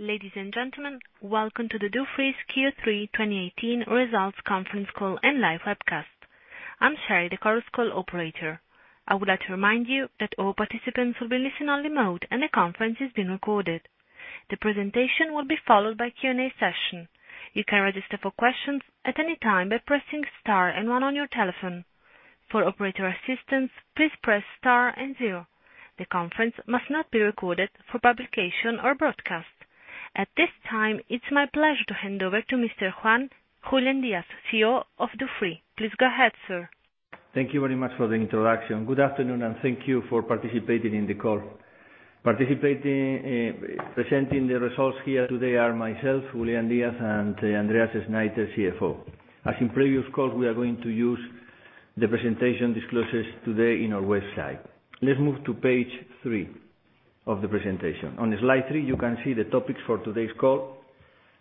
Ladies and gentlemen, welcome to the Dufry's Q3 2018 results conference call and live webcast. I'm Sherry, the conference call operator. I would like to remind you that all participants will be in listen-only mode, and the conference is being recorded. The presentation will be followed by Q&A session. You can register for questions at any time by pressing star and one on your telephone. For operator assistance, please press star and zero. The conference must not be recorded for publication or broadcast. At this time, it's my pleasure to hand over to Mr. Julián Díaz, CEO of Dufry. Please go ahead, sir. Thank you very much for the introduction. Good afternoon, thank you for participating in the call. Presenting the results here today are myself, Julián Díaz, and Andreas Schneiter, CFO. As in previous calls, we are going to use the presentation disclosures today in our website. Let's move to page three of the presentation. On slide three, you can see the topics for today's call.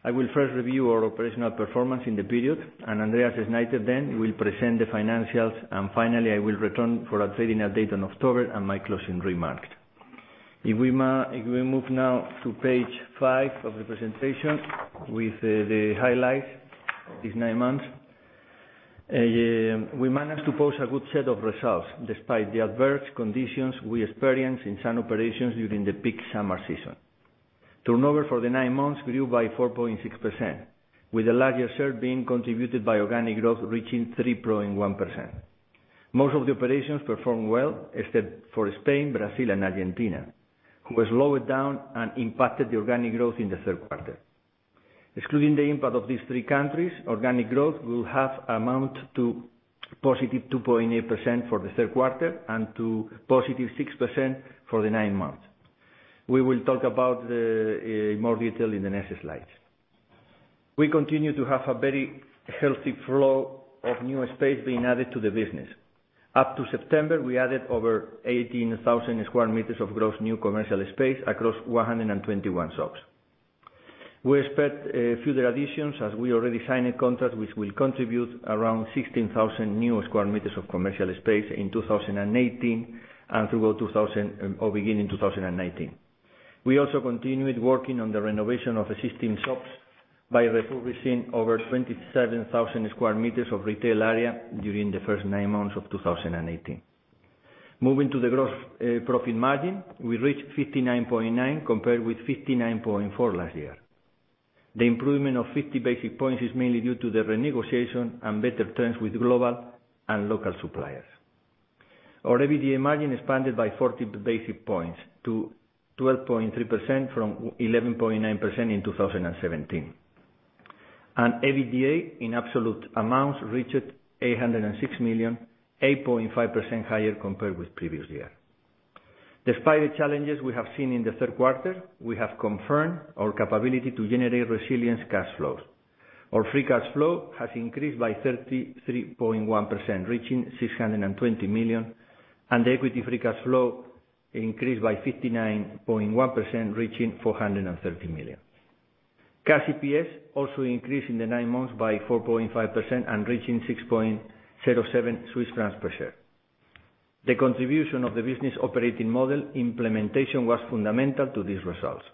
I will first review our operational performance in the period, Andreas Schneiter then will present the financials. Finally, I will return for updating our data in October and my closing remarks. If we move now to page five of the presentation with the highlights these nine months. We managed to post a good set of results despite the adverse conditions we experienced in some operations during the peak summer season. Turnover for the nine months grew by 4.6%, with the largest share being contributed by organic growth, reaching 3.1%. Most of the operations performed well, except for Spain, Brazil, and Argentina, who has lowered down and impacted the organic growth in the third quarter. Excluding the impact of these three countries, organic growth will have amount to positive 2.8% for the third quarter and to positive 6% for the nine months. We will talk about in more detail in the next slides. We continue to have a very healthy flow of new space being added to the business. Up to September, we added over 18,000 sq m of gross new commercial space across 121 shops. We expect further additions as we already signed a contract which will contribute around 16,000 new sq m of commercial space in 2018 and beginning 2019. We also continued working on the renovation of existing shops by refurbishing over 27,000 sq m of retail area during the first nine months of 2018. Moving to the gross profit margin, we reached 59.9% compared with 59.4% last year. The improvement of 50 basic points is mainly due to the renegotiation and better terms with global and local suppliers. Our EBITDA margin expanded by 40 basic points to 12.3% from 11.9% in 2017. EBITDA in absolute amounts reached 806 million, 8.5% higher compared with previous year. Despite the challenges we have seen in the third quarter, we have confirmed our capability to generate resilient cash flows. Our free cash flow has increased by 33.1%, reaching 620 million, and the equity-free cash flow increased by 59.1%, reaching 430 million. Cash EPS also increased in the nine months by 4.5% and reaching 6.07 Swiss francs per share. The contribution of the business operating model implementation was fundamental to these results.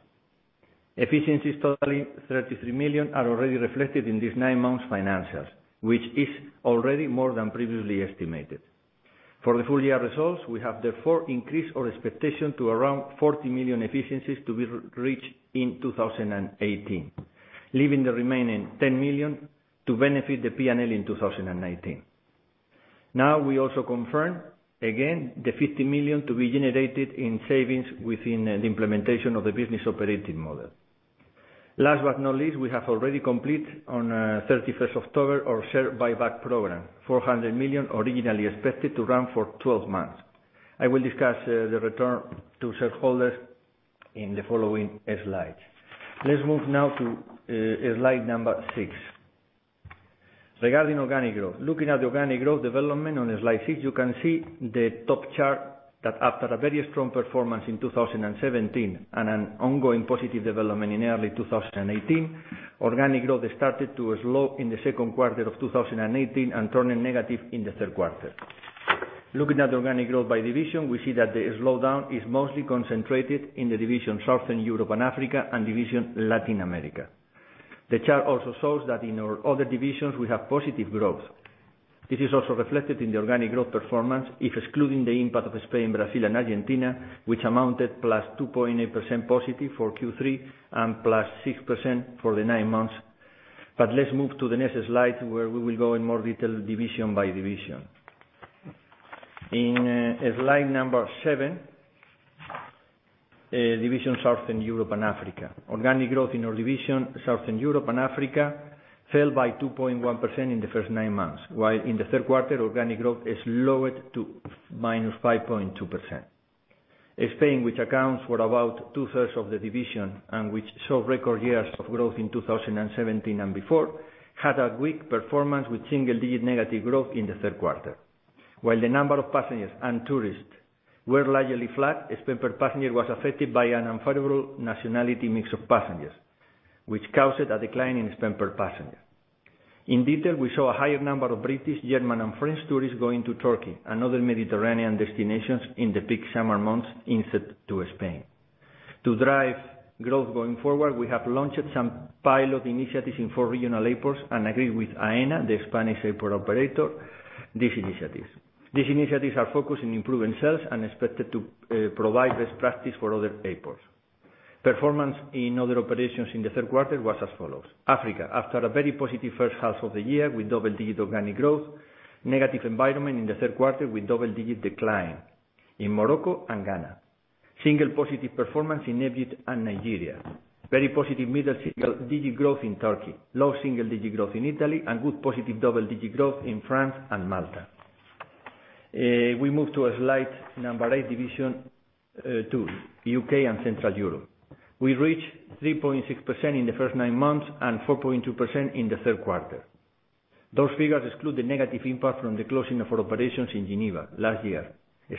Efficiencies totaling 33 million are already reflected in this 9 months financials, which is already more than previously estimated. For the full-year results, we have increased our expectation to around 40 million efficiencies to be reached in 2018, leaving the remaining 10 million to benefit the P&L in 2019. We also confirm again the 50 million to be generated in savings within the implementation of the business operating model. Last but not least, we have already completed on 31st October our share buyback program, 400 million originally expected to run for 12 months. I will discuss the return to shareholders in the following slides. Let's move now to slide 6. Regarding organic growth, looking at the organic growth development on slide six, you can see in the top chart that after a very strong performance in 2017 and an ongoing positive development in early 2018, organic growth started to slow in the 2Q 2018 and turning negative in the 3Q. Looking at the organic growth by division, we see that the slowdown is mostly concentrated in the division Southern Europe and Africa and division Latin America. The chart also shows that in our other divisions, we have positive growth. This is also reflected in the organic growth performance, excluding the impact of Spain, Brazil, and Argentina, which amounted +2.8% positive for Q3 and +6% for the 9 months. Let's move to the next slide, where we will go in more detail division by division. In slide 7, division Southern Europe and Africa. Organic growth in our division Southern Europe and Africa fell by 2.1% in the first 9 months, while in the 3Q, organic growth is lowered to -5.2%. In Spain, which accounts for about two-thirds of the division and which saw record years of growth in 2017 and before, had a weak performance with single-digit negative growth in the 3Q. While the number of passengers and tourists were largely flat, spend per passenger was affected by an unfavorable nationality mix of passengers, which caused a decline in spend per passenger. In detail, we saw a higher number of British, German, and French tourists going to Turkey and other Mediterranean destinations in the peak summer months instead to Spain. To drive growth going forward, we have launched some pilot initiatives in four regional airports and agreed with AENA, the Spanish airport operator, these initiatives. These initiatives are focused on improving sales and expected to provide best practice for other airports. Performance in other operations in the 3Q was as follows. Africa, after a very positive first half of the year with double-digit organic growth, negative environment in the 3Q with double-digit decline in Morocco and Ghana. Single positive performance in Egypt and Nigeria. Very positive middle single-digit growth in Turkey. Low single-digit growth in Italy, and good positive double-digit growth in France and Malta. We move to slide 8, division 2, U.K. and Central Europe. We reached 3.6% in the first 9 months and 4.2% in the 3Q. Those figures exclude the negative impact from the closing of our operations in Geneva last year,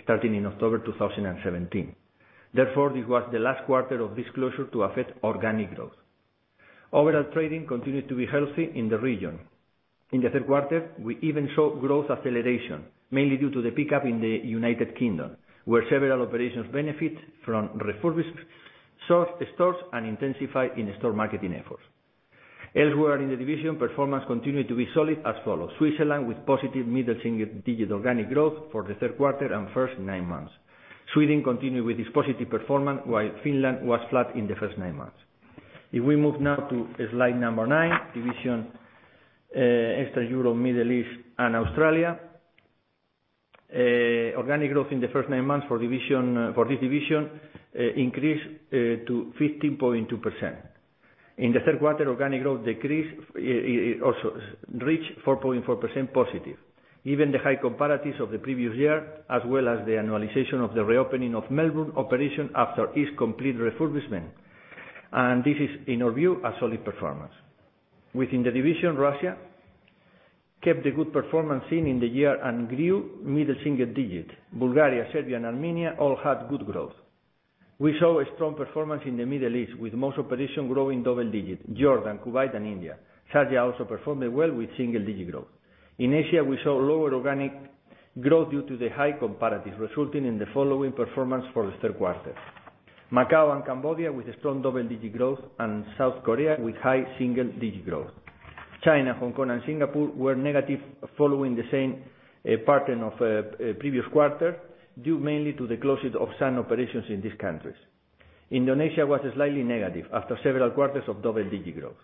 starting in October 2017. This was the last quarter of this closure to affect organic growth. Overall trading continued to be healthy in the region. In the third quarter, we even saw growth acceleration, mainly due to the pickup in the United Kingdom, where several operations benefit from refurbished stores and intensified in-store marketing efforts. Elsewhere in the division, performance continued to be solid as follows. Switzerland with positive middle single-digit organic growth for the third quarter and first nine months. Sweden continued with this positive performance, while Finland was flat in the first nine months. If we move now to slide number nine, division extra Europe, Middle East, and Australia. Organic growth in the first nine months for this division increased to 15.2%. In the third quarter, organic growth reached 4.4% positive. Given the high comparatives of the previous year, as well as the annualization of the reopening of Melbourne operation after its complete refurbishment, and this is, in our view, a solid performance. Within the division, Russia kept the good performance seen in the year and grew middle single digits. Bulgaria, Serbia, and Armenia all had good growth. We saw a strong performance in the Middle East, with most operations growing double digits, Jordan, Kuwait, and India. Saudi also performed well with single-digit growth. In Asia, we saw lower organic growth due to the high comparatives, resulting in the following performance for the third quarter. Macau and Cambodia with strong double-digit growth and South Korea with high single-digit growth. China, Hong Kong, and Singapore were negative, following the same pattern of previous quarter, due mainly to the closure of some operations in these countries. Indonesia was slightly negative after several quarters of double-digit growth,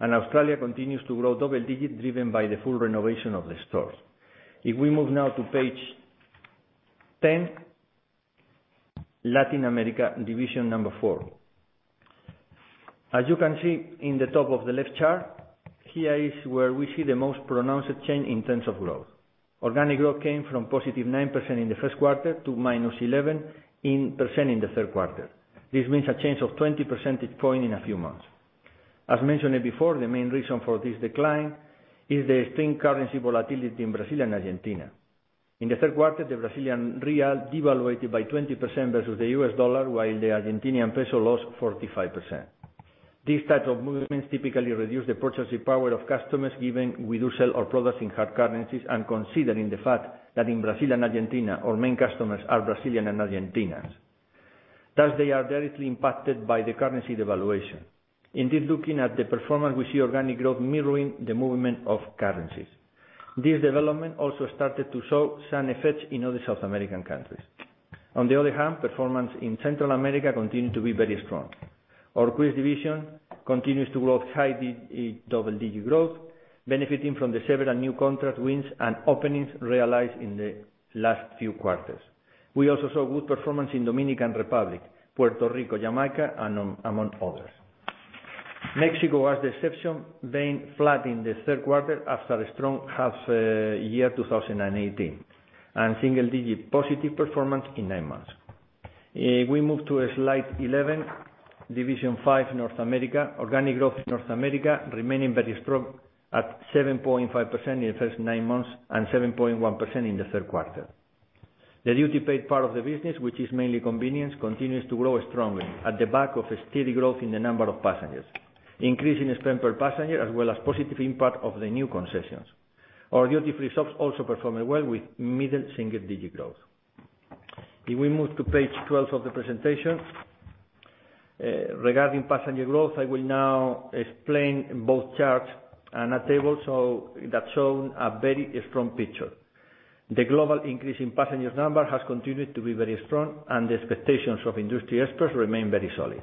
and Australia continues to grow double digits, driven by the full renovation of the stores. If we move now to page 10, Latin America, division number four. As you can see in the top of the left chart, here is where we see the most pronounced change in terms of growth. Organic growth came from positive 9% in the first quarter to minus 11% in the third quarter. This means a change of 20 percentage points in a few months. As mentioned before, the main reason for this decline is the extreme currency volatility in Brazil and Argentina. In the third quarter, the Brazilian real devalued by 20% versus the US dollar, while the Argentinian peso lost 45%. These types of movements typically reduce the purchasing power of customers, given we do sell our products in hard currencies and considering the fact that in Brazil and Argentina, our main customers are Brazilian and Argentinians. Thus, they are directly impacted by the currency devaluation. Indeed, looking at the performance, we see organic growth mirroring the movement of currencies. This development also started to show some effects in other South American countries. On the other hand, performance in Central America continued to be very strong. Our cruise division continues to grow high double-digit growth, benefiting from the several new contract wins and openings realized in the last few quarters. We also saw good performance in Dominican Republic, Puerto Rico, Jamaica, among others. Mexico was the exception, being flat in the third quarter after a strong half year 2018, and single-digit positive performance in nine months. If we move to slide 11, division five, North America. Organic growth in North America remaining very strong at 7.5% in the first nine months and 7.1% in the third quarter. The duty paid part of the business, which is mainly convenience, continues to grow strongly at the back of a steady growth in the number of passengers, increase in spend per passenger, as well as positive impact of the new concessions. Our duty-free shops also performed well with middle single-digit growth. If we move to page 12 of the presentation. Regarding passenger growth, I will now explain both charts and a table that's shown a very strong picture. The global increase in passenger numbers has continued to be very strong, and the expectations of industry experts remain very solid.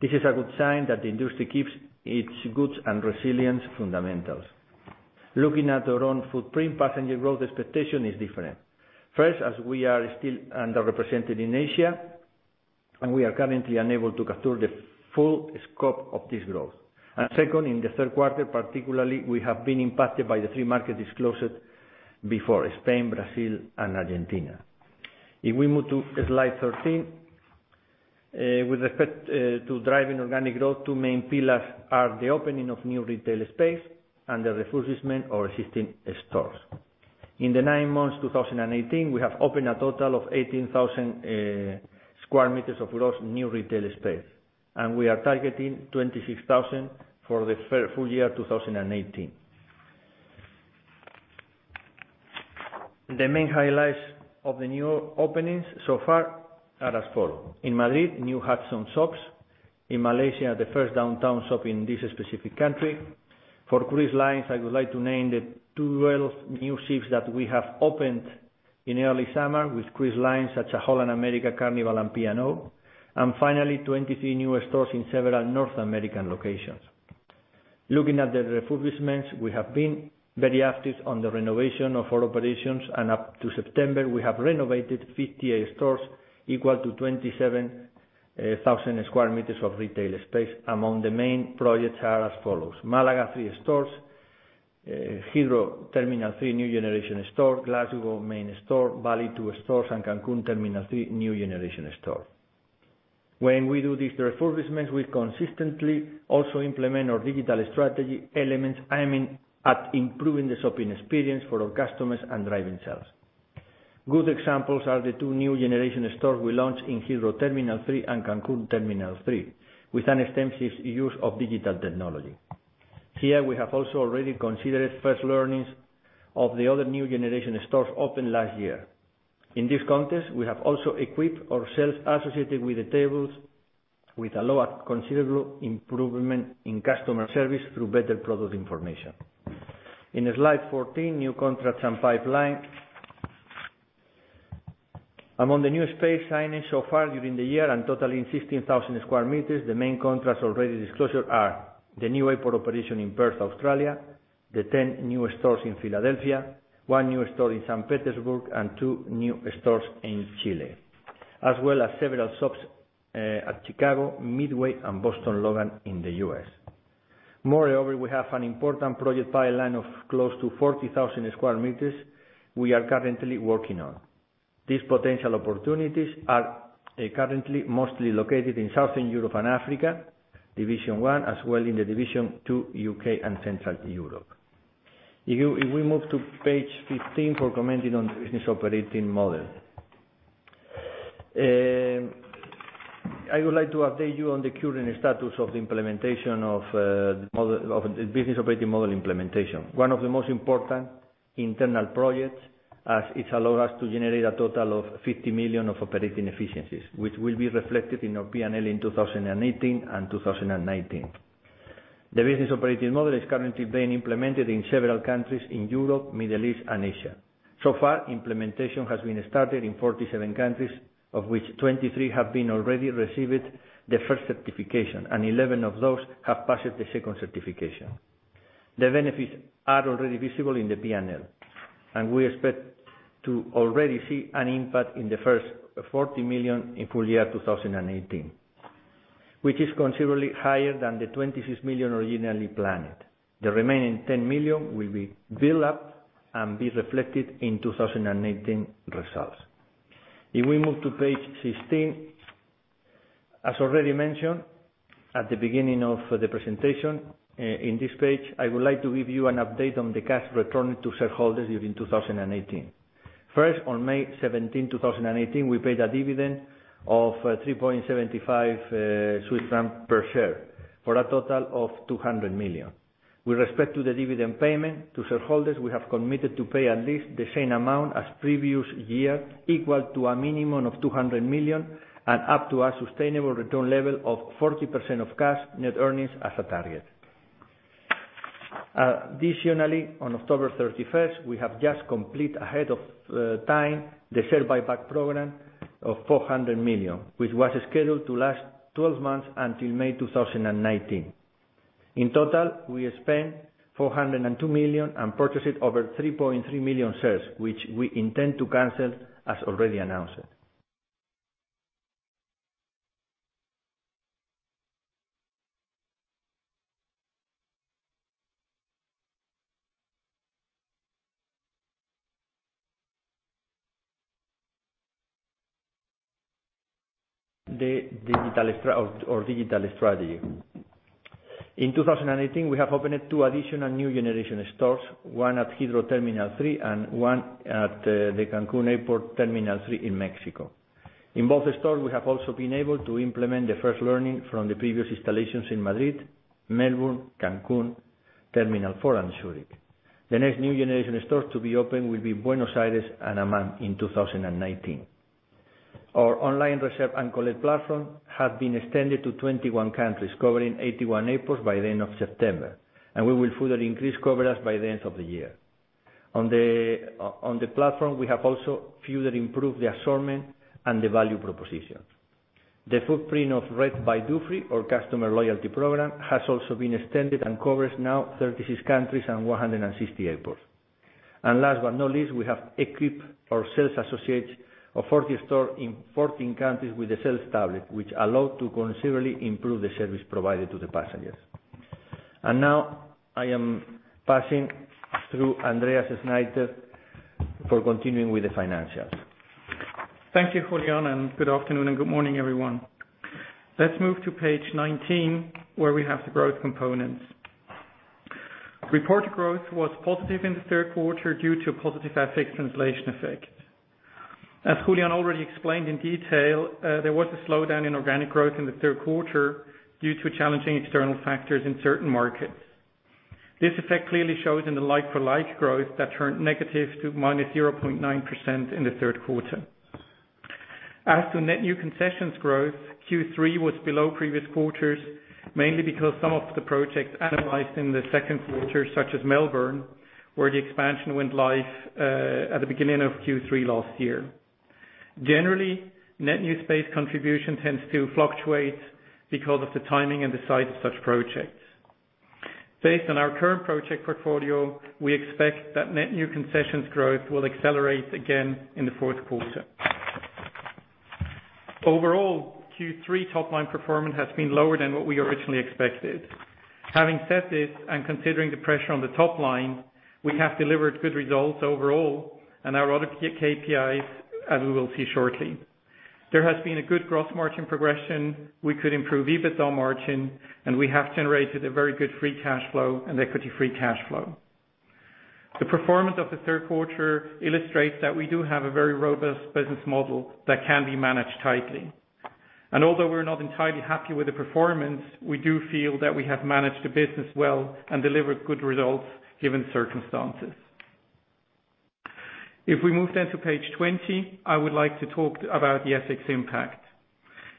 This is a good sign that the industry keeps its goods and resilience fundamentals. Looking at our own footprint, passenger growth expectation is different. First, as we are still underrepresented in Asia, and we are currently unable to capture the full scope of this growth. Second, in the third quarter particularly, we have been impacted by the three markets disclosed before, Spain, Brazil, and Argentina. If we move to slide 13. With respect to driving organic growth, two main pillars are the opening of new retail space and the refurbishment of existing stores. In the nine months 2018, we have opened a total of 18,000 sq m of gross new retail space, and we are targeting 26,000 for the full year 2018. The main highlights of the new openings so far are as follow. In Madrid, new Hudson shops. In Malaysia, the first downtown shop in this specific country. For cruise lines, I would like to name the 12 new ships that we have opened in early summer with cruise lines such as Holland America, Carnival, and P&O. Finally, 23 newer stores in several North American locations. Looking at the refurbishments, we have been very active on the renovation of our operations, and up to September, we have renovated 58 stores, equal to 27,000 sq m of retail space. Among the main projects are as follows. Malaga, three stores, Heathrow Terminal 3, New Generation Store, Glasgow main store, Bali, two stores, and Cancun Terminal 3, New Generation Store. When we do these refurbishments, we consistently also implement our digital strategy elements aiming at improving the shopping experience for our customers and driving sales. Good examples are the two New Generation Stores we launched in Heathrow Terminal 3 and Cancun Terminal 3 with an extensive use of digital technology. Here, we have also already considered first learnings of the other New Generation Stores opened last year. In this context, we have also equipped our sales associates with tablets with a considerable improvement in customer service through better product information. In slide 14, new contracts and pipeline. Among the new space signage so far during the year and totaling 15,000 sq m, the main contracts already disclosed are the new airport operation in Perth, Australia, the 10 new stores in Philadelphia, one new store in St. Petersburg, and two new stores in Chile, as well as several shops at Chicago, Midway, and Boston Logan in the U.S. Moreover, we have an important project pipeline of close to 40,000 sq m we are currently working on. These potential opportunities are currently mostly located in Southern Europe and Africa, division one, as well in the division two, U.K. and Central Europe. If we move to page 15 for commenting on the business operating model. I would like to update you on the current status of the Business Operating Model implementation, one of the most important internal projects as it allows us to generate a total of 50 million of operating efficiencies, which will be reflected in our P&L in 2018 and 2019. The Business Operating Model is currently being implemented in several countries in Europe, Middle East, and Asia. Implementation has been started in 47 countries, of which 23 have already received the first certification, and 11 of those have passed the second certification. The benefits are already visible in the P&L, and we expect to already see an impact in the first 40 million in full year 2018, which is considerably higher than the 26 million originally planned. The remaining 10 million will be built up and be reflected in 2018 results. If we move to page 16. As already mentioned at the beginning of the presentation, in this page, I would like to give you an update on the cash returned to shareholders during 2018. First, on May 17, 2018, we paid a dividend of 3.75 Swiss francs per share for a total of 200 million. With respect to the dividend payment to shareholders, we have committed to pay at least the same amount as previous year, equal to a minimum of 200 million, and up to a sustainable return level of 40% of cash net earnings as a target. Additionally, on October 31st, we have just completed ahead of time the share buyback program of 400 million, which was scheduled to last 12 months until May 2019. In total, we spent 402 million and purchased over 3.3 million shares, which we intend to cancel as already announced. The digital strategy. In 2018, we have opened two additional New Generation Stores, one at Heathrow Terminal 3 and one at the Cancun Airport Terminal 3 in Mexico. In both stores, we have also been able to implement the first learning from the previous installations in Madrid, Melbourne, Cancun, Terminal 4, and Zurich. The next New Generation Stores to be opened will be Buenos Aires and Amman in 2019. Our online Reserve & Collect platform has been extended to 21 countries, covering 81 airports by the end of September, and we will further increase coverage by the end of the year. On the platform, we have also further improved the assortment and the value propositions. The footprint of Red by Dufry, our customer loyalty program, has also been extended and covers now 36 countries and 160 airports. Last but not least, we have equipped our sales associates of 40 stores in 14 countries with a sales tablet, which allows to considerably improve the service provided to the passengers. Now, I am passing through Andreas Schneiter for continuing with the financials. Thank you, Julián, and good afternoon and good morning, everyone. Let's move to page 19, where we have the growth components. Reported growth was positive in the third quarter due to a positive FX translation effect. As Julián already explained in detail, there was a slowdown in organic growth in the third quarter due to challenging external factors in certain markets. This effect clearly shows in the like-for-like growth that turned negative to -0.9% in the third quarter. As to net new concessions growth, Q3 was below previous quarters, mainly because some of the projects analyzed in the second quarter, such as Melbourne, where the expansion went live at the beginning of Q3 last year. Generally, net new space contribution tends to fluctuate because of the timing and the size of such projects. Based on our current project portfolio, we expect that net new concessions growth will accelerate again in the fourth quarter. Overall, Q3 top-line performance has been lower than what we originally expected. Having said this, considering the pressure on the top line, we have delivered good results overall in our other key KPIs, as we will see shortly. There has been a good gross margin progression. We could improve EBITDA margin, and we have generated a very good free cash flow and equity-free cash flow. The performance of the third quarter illustrates that we do have a very robust business model that can be managed tightly. Although we're not entirely happy with the performance, we do feel that we have managed the business well and delivered good results given circumstances. If we move then to page 20, I would like to talk about the FX impact.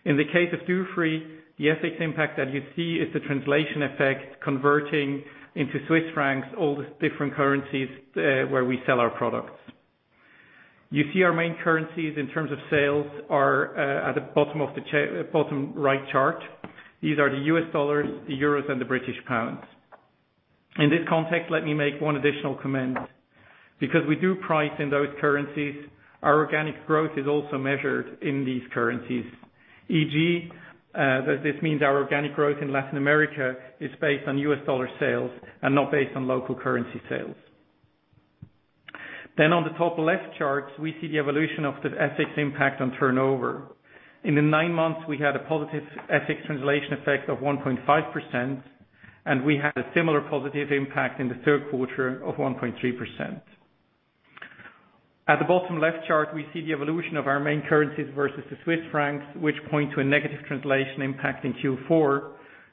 In the case of Dufry, the FX impact that you see is the translation effect converting into CHF all the different currencies where we sell our products. You see our main currencies in terms of sales are at the bottom right chart. These are the USD, the EUR, and the GBP. In this context, let me make one additional comment. Because we do price in those currencies, our organic growth is also measured in these currencies. E.g., this means our organic growth in Latin America is based on USD sales and not based on local currency sales. On the top left charts, we see the evolution of the FX impact on turnover. In the nine months, we had a positive FX translation effect of 1.5%, and we had a similar positive impact in the third quarter of 1.3%. At the bottom left chart, we see the evolution of our main currencies versus the CHF, which point to a negative translation impact in Q4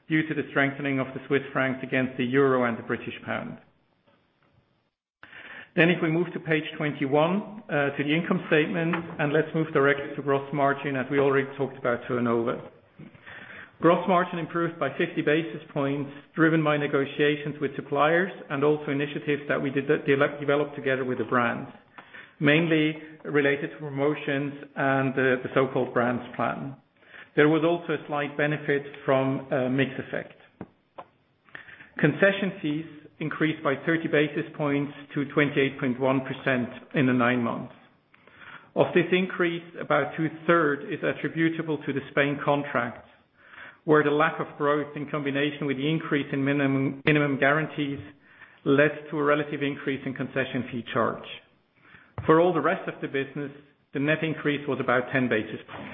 due to the strengthening of the CHF against the EUR and the GBP. If we move to page 21, to the income statement, and let's move directly to gross margin, as we already talked about turnover. Gross margin improved by 50 basis points, driven by negotiations with suppliers and also initiatives that we developed together with the brands, mainly related to promotions and the so-called brand plan. There was also a slight benefit from a mix effect. Concession fees increased by 30 basis points to 28.1% in the nine months. Of this increase, about two-thirds is attributable to the Spain contract, where the lack of growth in combination with the increase in minimum guarantees led to a relative increase in concession fee charge. For all the rest of the business, the net increase was about 10 basis points.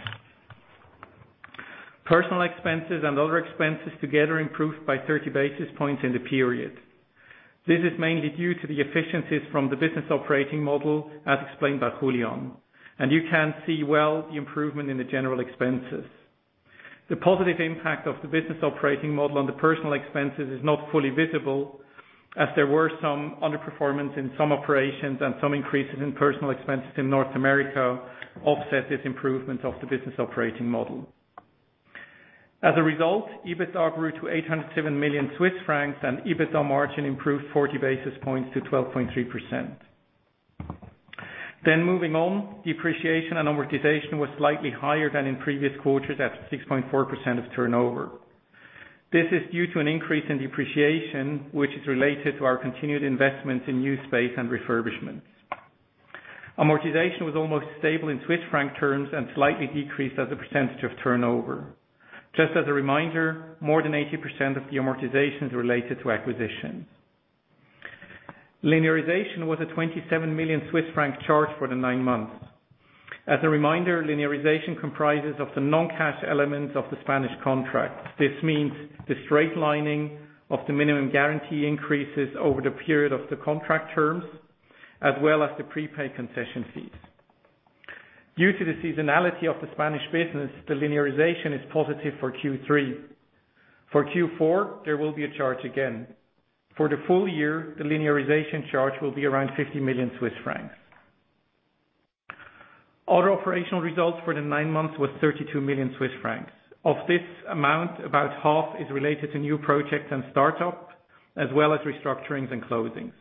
Personal expenses and other expenses together improved by 30 basis points in the period. This is mainly due to the efficiencies from the business operating model, as explained by Julián, you can see well the improvement in the general expenses. The positive impact of the business operating model on the personal expenses is not fully visible, as there were some underperformance in some operations and some increases in personal expenses in North America offset this improvement of the business operating model. As a result, EBITDA grew to 807 million Swiss francs, and EBITDA margin improved 40 basis points to 12.3%. Moving on, depreciation and amortization was slightly higher than in previous quarters at 6.4% of turnover. This is due to an increase in depreciation, which is related to our continued investments in new space and refurbishments. Amortization was almost stable in CHF terms and slightly decreased as a percentage of turnover. Just as a reminder, more than 80% of the amortization is related to acquisitions. Linearization was a 27 million Swiss franc charge for the nine months. As a reminder, amortization comprises of the non-cash elements of the Spanish contract. This means the straight lining of the minimum guarantee increases over the period of the contract terms, as well as the prepaid concession fees. Due to the seasonality of the Spanish business, the amortization is positive for Q3. For Q4, there will be a charge again. For the full year, the amortization charge will be around 50 million Swiss francs. Other operational results for the nine months was 32 million Swiss francs. Of this amount, about half is related to new projects and startups, as well as restructurings and closings.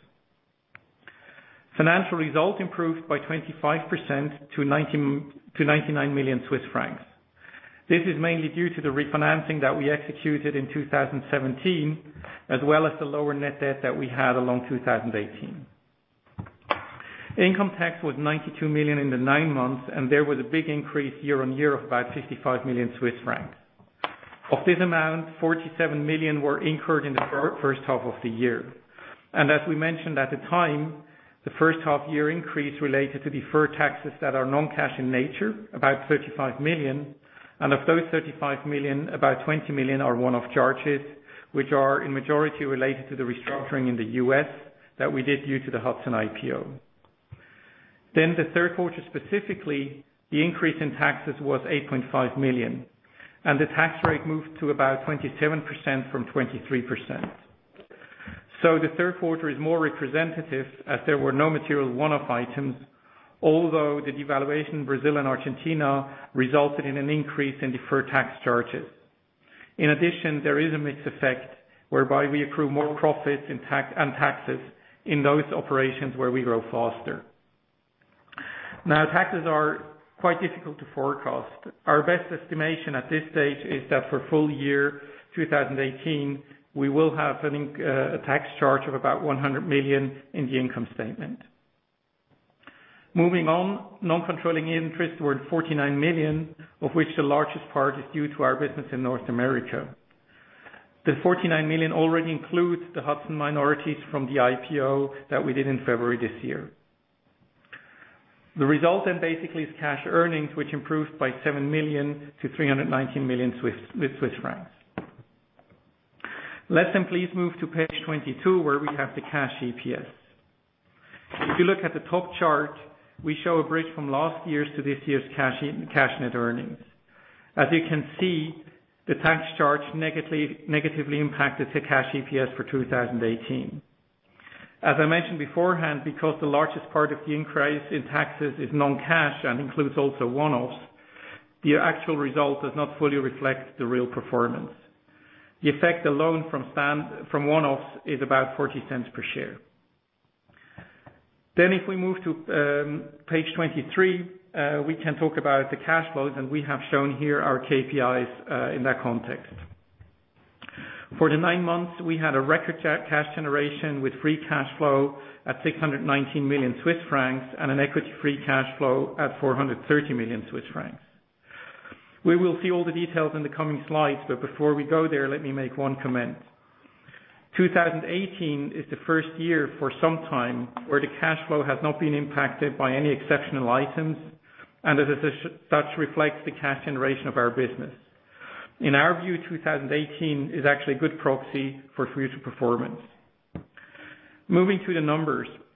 Financial results improved by 25% to 99 million Swiss francs. This is mainly due to the refinancing that we executed in 2017, as well as the lower net debt that we had along 2018. Income tax was 92 million in the nine months. There was a big increase year-on-year of about 55 million Swiss francs. Of this amount, 47 million were incurred in the first half of the year. As we mentioned at the time, the first half-year increase related to deferred taxes that are non-cash in nature, about 35 million. Of those 35 million, about 20 million are one-off charges, which are in majority related to the restructuring in the U.S. that we did due to the Hudson IPO. The third quarter, specifically, the increase in taxes was 8.5 million, and the tax rate moved to about 27% from 23%. The third quarter is more representative as there were no material one-off items, although the devaluation in Brazil and Argentina resulted in an increase in deferred tax charges. In addition, there is a mixed effect whereby we accrue more profits and taxes in those operations where we grow faster. Taxes are quite difficult to forecast. Our best estimation at this stage is that for full year 2018, we will have a tax charge of about 100 million in the income statement. Non-controlling interests were 49 million, of which the largest part is due to our business in North America. The 49 million already includes the Hudson minorities from the IPO that we did in February this year. The result basically is cash earnings, which improved by 7 million to 319 million Swiss francs. Let's please move to page 22, where we have the cash EPS. If you look at the top chart, we show a bridge from last year's to this year's cash net earnings. As you can see, the tax charge negatively impacted the cash EPS for 2018. As I mentioned beforehand, because the largest part of the increase in taxes is non-cash and includes also one-offs, the actual result does not fully reflect the real performance. The effect alone from one-offs is about 0.40 per share. If we move to page 23, we can talk about the cash flows, and we have shown here our KPIs in that context. For the nine months, we had a record cash generation with free cash flow at 619 million Swiss francs and an equity free cash flow at 430 million Swiss francs. We will see all the details in the coming slides, but before we go there, let me make one comment. 2018 is the first year for some time where the cash flow has not been impacted by any exceptional items, and as such reflects the cash generation of our business. In our view, 2018 is actually a good proxy for future performance.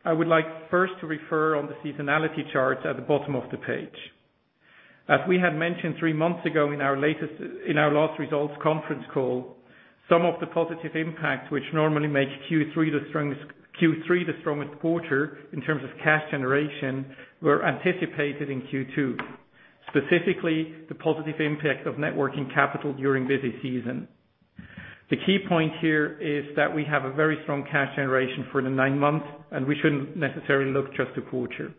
I would like first to refer on the seasonality charts at the bottom of the page. As we had mentioned three months ago in our last results conference call, some of the positive impacts, which normally make Q3 the strongest quarter in terms of cash generation, were anticipated in Q2, specifically the positive impact of networking capital during busy season. The key point here is that we have a very strong cash generation for the nine months, and we shouldn't necessarily look just a quarter.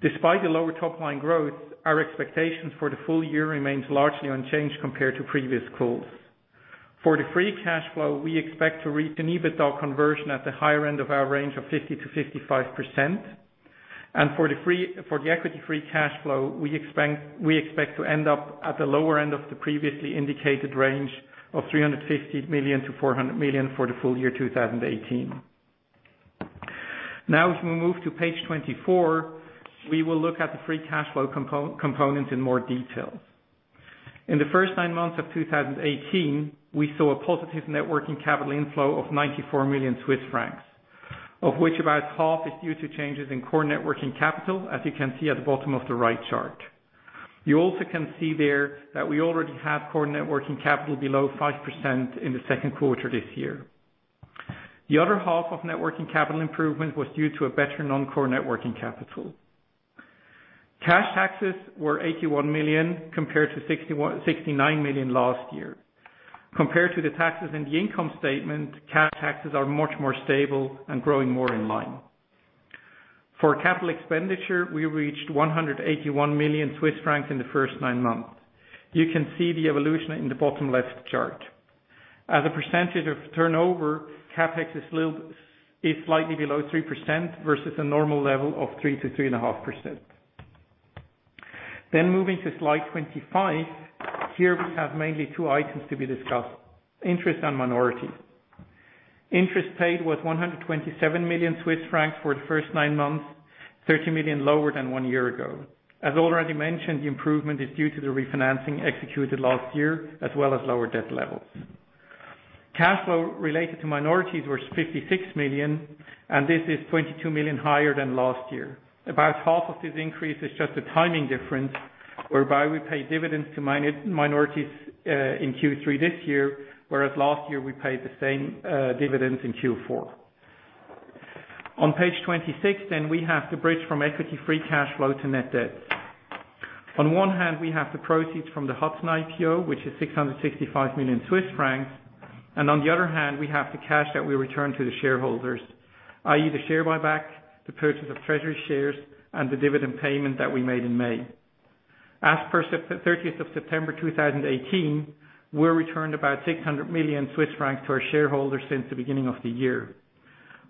Despite the lower top-line growth, our expectations for the full year remains largely unchanged compared to previous calls. For the free cash flow, we expect to reach an EBITDA conversion at the higher end of our range of 50%-55%. For the equity free cash flow, we expect to end up at the lower end of the previously indicated range of 350 million-400 million for the full year 2018. If we move to page 24, we will look at the free cash flow component in more detail. In the first nine months of 2018, we saw a positive networking capital inflow of 94 million Swiss francs, of which about half is due to changes in core networking capital, as you can see at the bottom of the right chart. You also can see there that we already have core networking capital below 5% in the second quarter this year. The other half of networking capital improvement was due to a better non-core networking capital. Cash taxes were 81 million compared to 69 million last year. Compared to the taxes in the income statement, cash taxes are much more stable and growing more in line. For capital expenditure, we reached 181 million Swiss francs in the first nine months. You can see the evolution in the bottom left chart. As a percentage of turnover, CapEx is slightly below 3% versus a normal level of 3%-3.5%. Moving to slide 25. Here we have mainly two items to be discussed, interest and minority. Interest paid was 127 million Swiss francs for the first nine months, 30 million lower than one year ago. As already mentioned, the improvement is due to the refinancing executed last year, as well as lower debt levels. Cash flow related to minorities was 56 million, and this is 22 million higher than last year. About half of this increase is just a timing difference, whereby we pay dividends to minorities in Q3 this year, whereas last year we paid the same dividends in Q4. On page 26, we have the bridge from equity free cash flow to net debt. On one hand, we have the proceeds from the Hudson IPO, which is 665 million Swiss francs, and on the other hand, we have the cash that we return to the shareholders, i.e. the share buyback, the purchase of treasury shares, and the dividend payment that we made in May. As per 30th of September 2018, we returned about 600 million Swiss francs to our shareholders since the beginning of the year.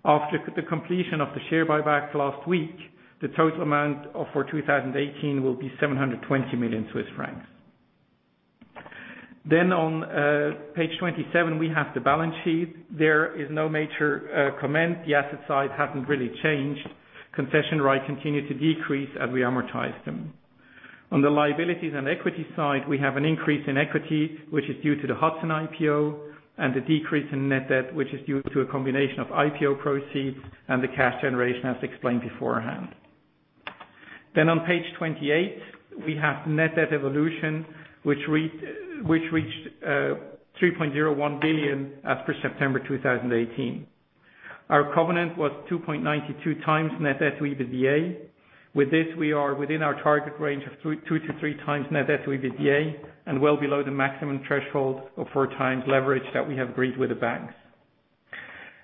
After the completion of the share buyback last week, the total amount for 2018 will be 720 million Swiss francs. On page 27, we have the balance sheet. There is no major comment. The asset side has not really changed. Concession rights continue to decrease as we amortize them. On the liabilities and equity side, we have an increase in equity, which is due to the Hudson IPO and the decrease in net debt, which is due to a combination of IPO proceeds and the cash generation as explained beforehand. On page 28, we have net debt evolution, which reached 3.01 billion as per September 2018. Our covenant was 2.92 times Net Debt/EBITDA. With this, we are within our target range of 2-3 times Net Debt/EBITDA and well below the maximum threshold of four times leverage that we have agreed with the banks.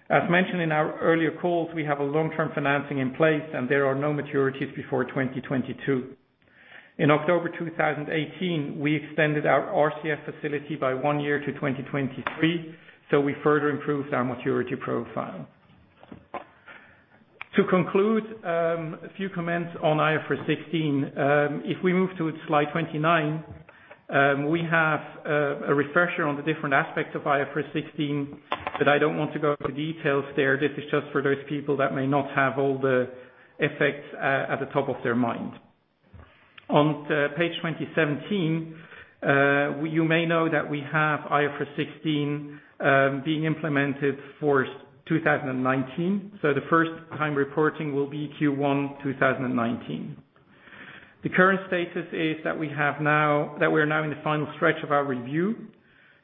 As mentioned in our earlier calls, we have a long-term financing in place and there are no maturities before 2022. In October 2018, we extended our RCF facility by one year to 2023, so we further improved our maturity profile. To conclude, a few comments on IFRS 16. If we move to slide 29, we have a refresher on the different aspects of IFRS 16, but I do not want to go into details there. This is just for those people that may not have all the effects at the top of their mind. On page 2017, you may know that we have IFRS 16 being implemented for 2019, so the first time reporting will be Q1 2019. The current status is that we are now in the final stretch of our review.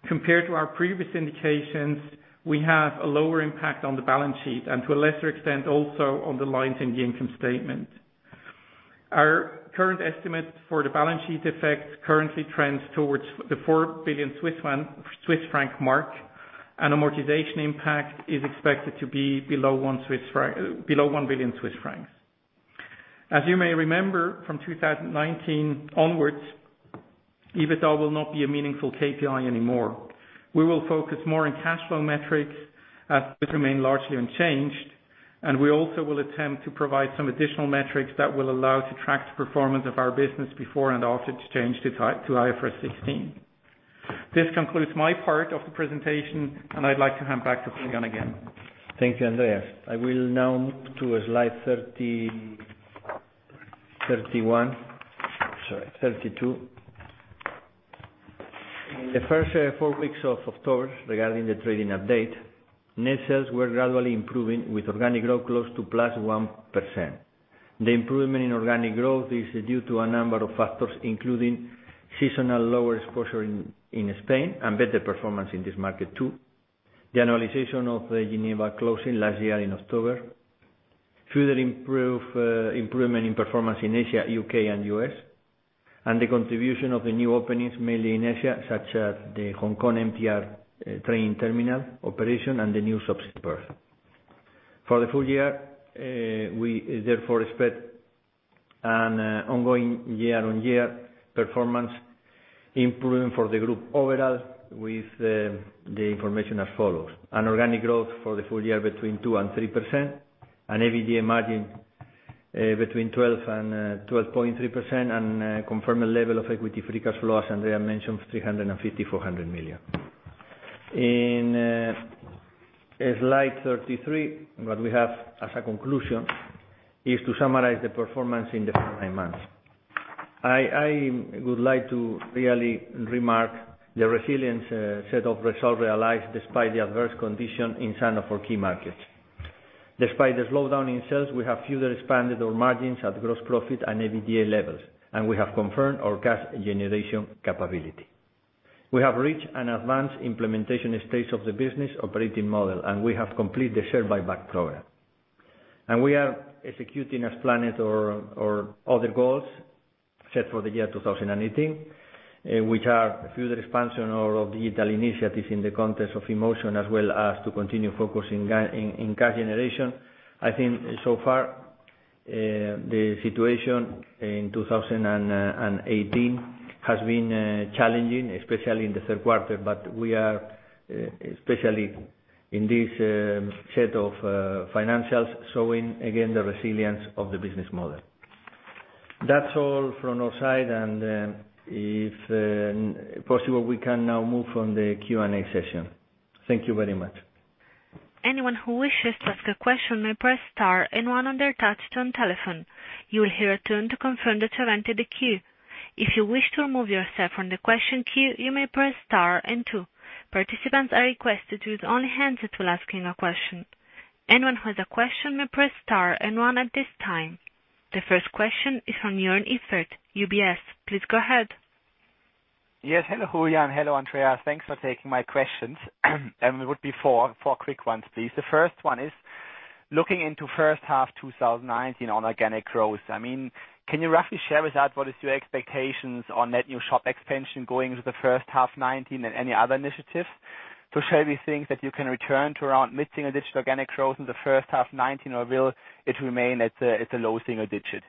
Compared to our previous indications, we have a lower impact on the balance sheet and to a lesser extent also on the lines in the income statement. Our current estimate for the balance sheet effect currently trends towards the 4 billion Swiss franc mark, and amortization impact is expected to be below 1 billion Swiss franc. As you may remember, from 2019 onwards, EBITDA will not be a meaningful KPI anymore. We will focus more on cash flow metrics as this remain largely unchanged, and we also will attempt to provide some additional metrics that will allow to track the performance of our business before and after the change to IFRS 16. This concludes my part of the presentation, and I would like to hand back to Julián again. Thank you, Andreas. I will now move to slide 32. In the first four weeks of October regarding the trading update, net sales were gradually improving with organic growth close to +1%. The improvement in organic growth is due to a number of factors, including seasonal lower exposure in Spain and better performance in this market too. The annualization of the Geneva closing last year in October. Further improvement in performance in Asia, U.K., and U.S., and the contribution of the new openings mainly in Asia, such as the Hong Kong MTR train terminal operation and the new shops in Perth. For the full year, we therefore expect an ongoing year-on-year performance improvement for the group overall with the information as follows. An organic growth for the full year between 2%-3%, an EBITDA margin between 12%-12.3%, and confirm a level of equity free cash flow as Andreas mentioned, of 350 million, 400 million. In slide 33, what we have as a conclusion is to summarize the performance in the first nine months. I would like to really remark the resilient set of results realized despite the adverse condition in some of our key markets. Despite the slowdown in sales, we have further expanded our margins at gross profit and EBITDA levels, and we have confirmed our cash generation capability. We have reached an advanced implementation stage of the business operating model, and we have completed the share buyback program. We are executing as planned our other goals set for the year 2018, which are further expansion of digital initiatives in the context of Emotion +, as well as to continue focusing in cash generation. I think so far, the situation in 2018 has been challenging, especially in the third quarter, but we are, especially in this set of financials, showing again the resilience of the business model. That is all from our side and if possible, we can now move on the Q&A session. Thank you very much. Anyone who wishes to ask a question may press star one on their touch-tone telephone. You will hear a tone to confirm that you have entered the queue. If you wish to remove yourself from the question queue, you may press star two. Participants are requested to use only handset to ask a question. Anyone who has a question may press star one at this time. The first question is from Joern Iffert, UBS. Please go ahead. Yes. Hello, Julián. Hello, Andreas. Thanks for taking my questions. It would be four quick ones, please. The first one is looking into first half 2019 on organic growth. Can you roughly share with us what is your expectations on net new shop expansion going into the first half 2019 and any other initiatives to show these things that you can return to around mid-single-digit organic growth in the first half 2019, or will it remain at the low single digit,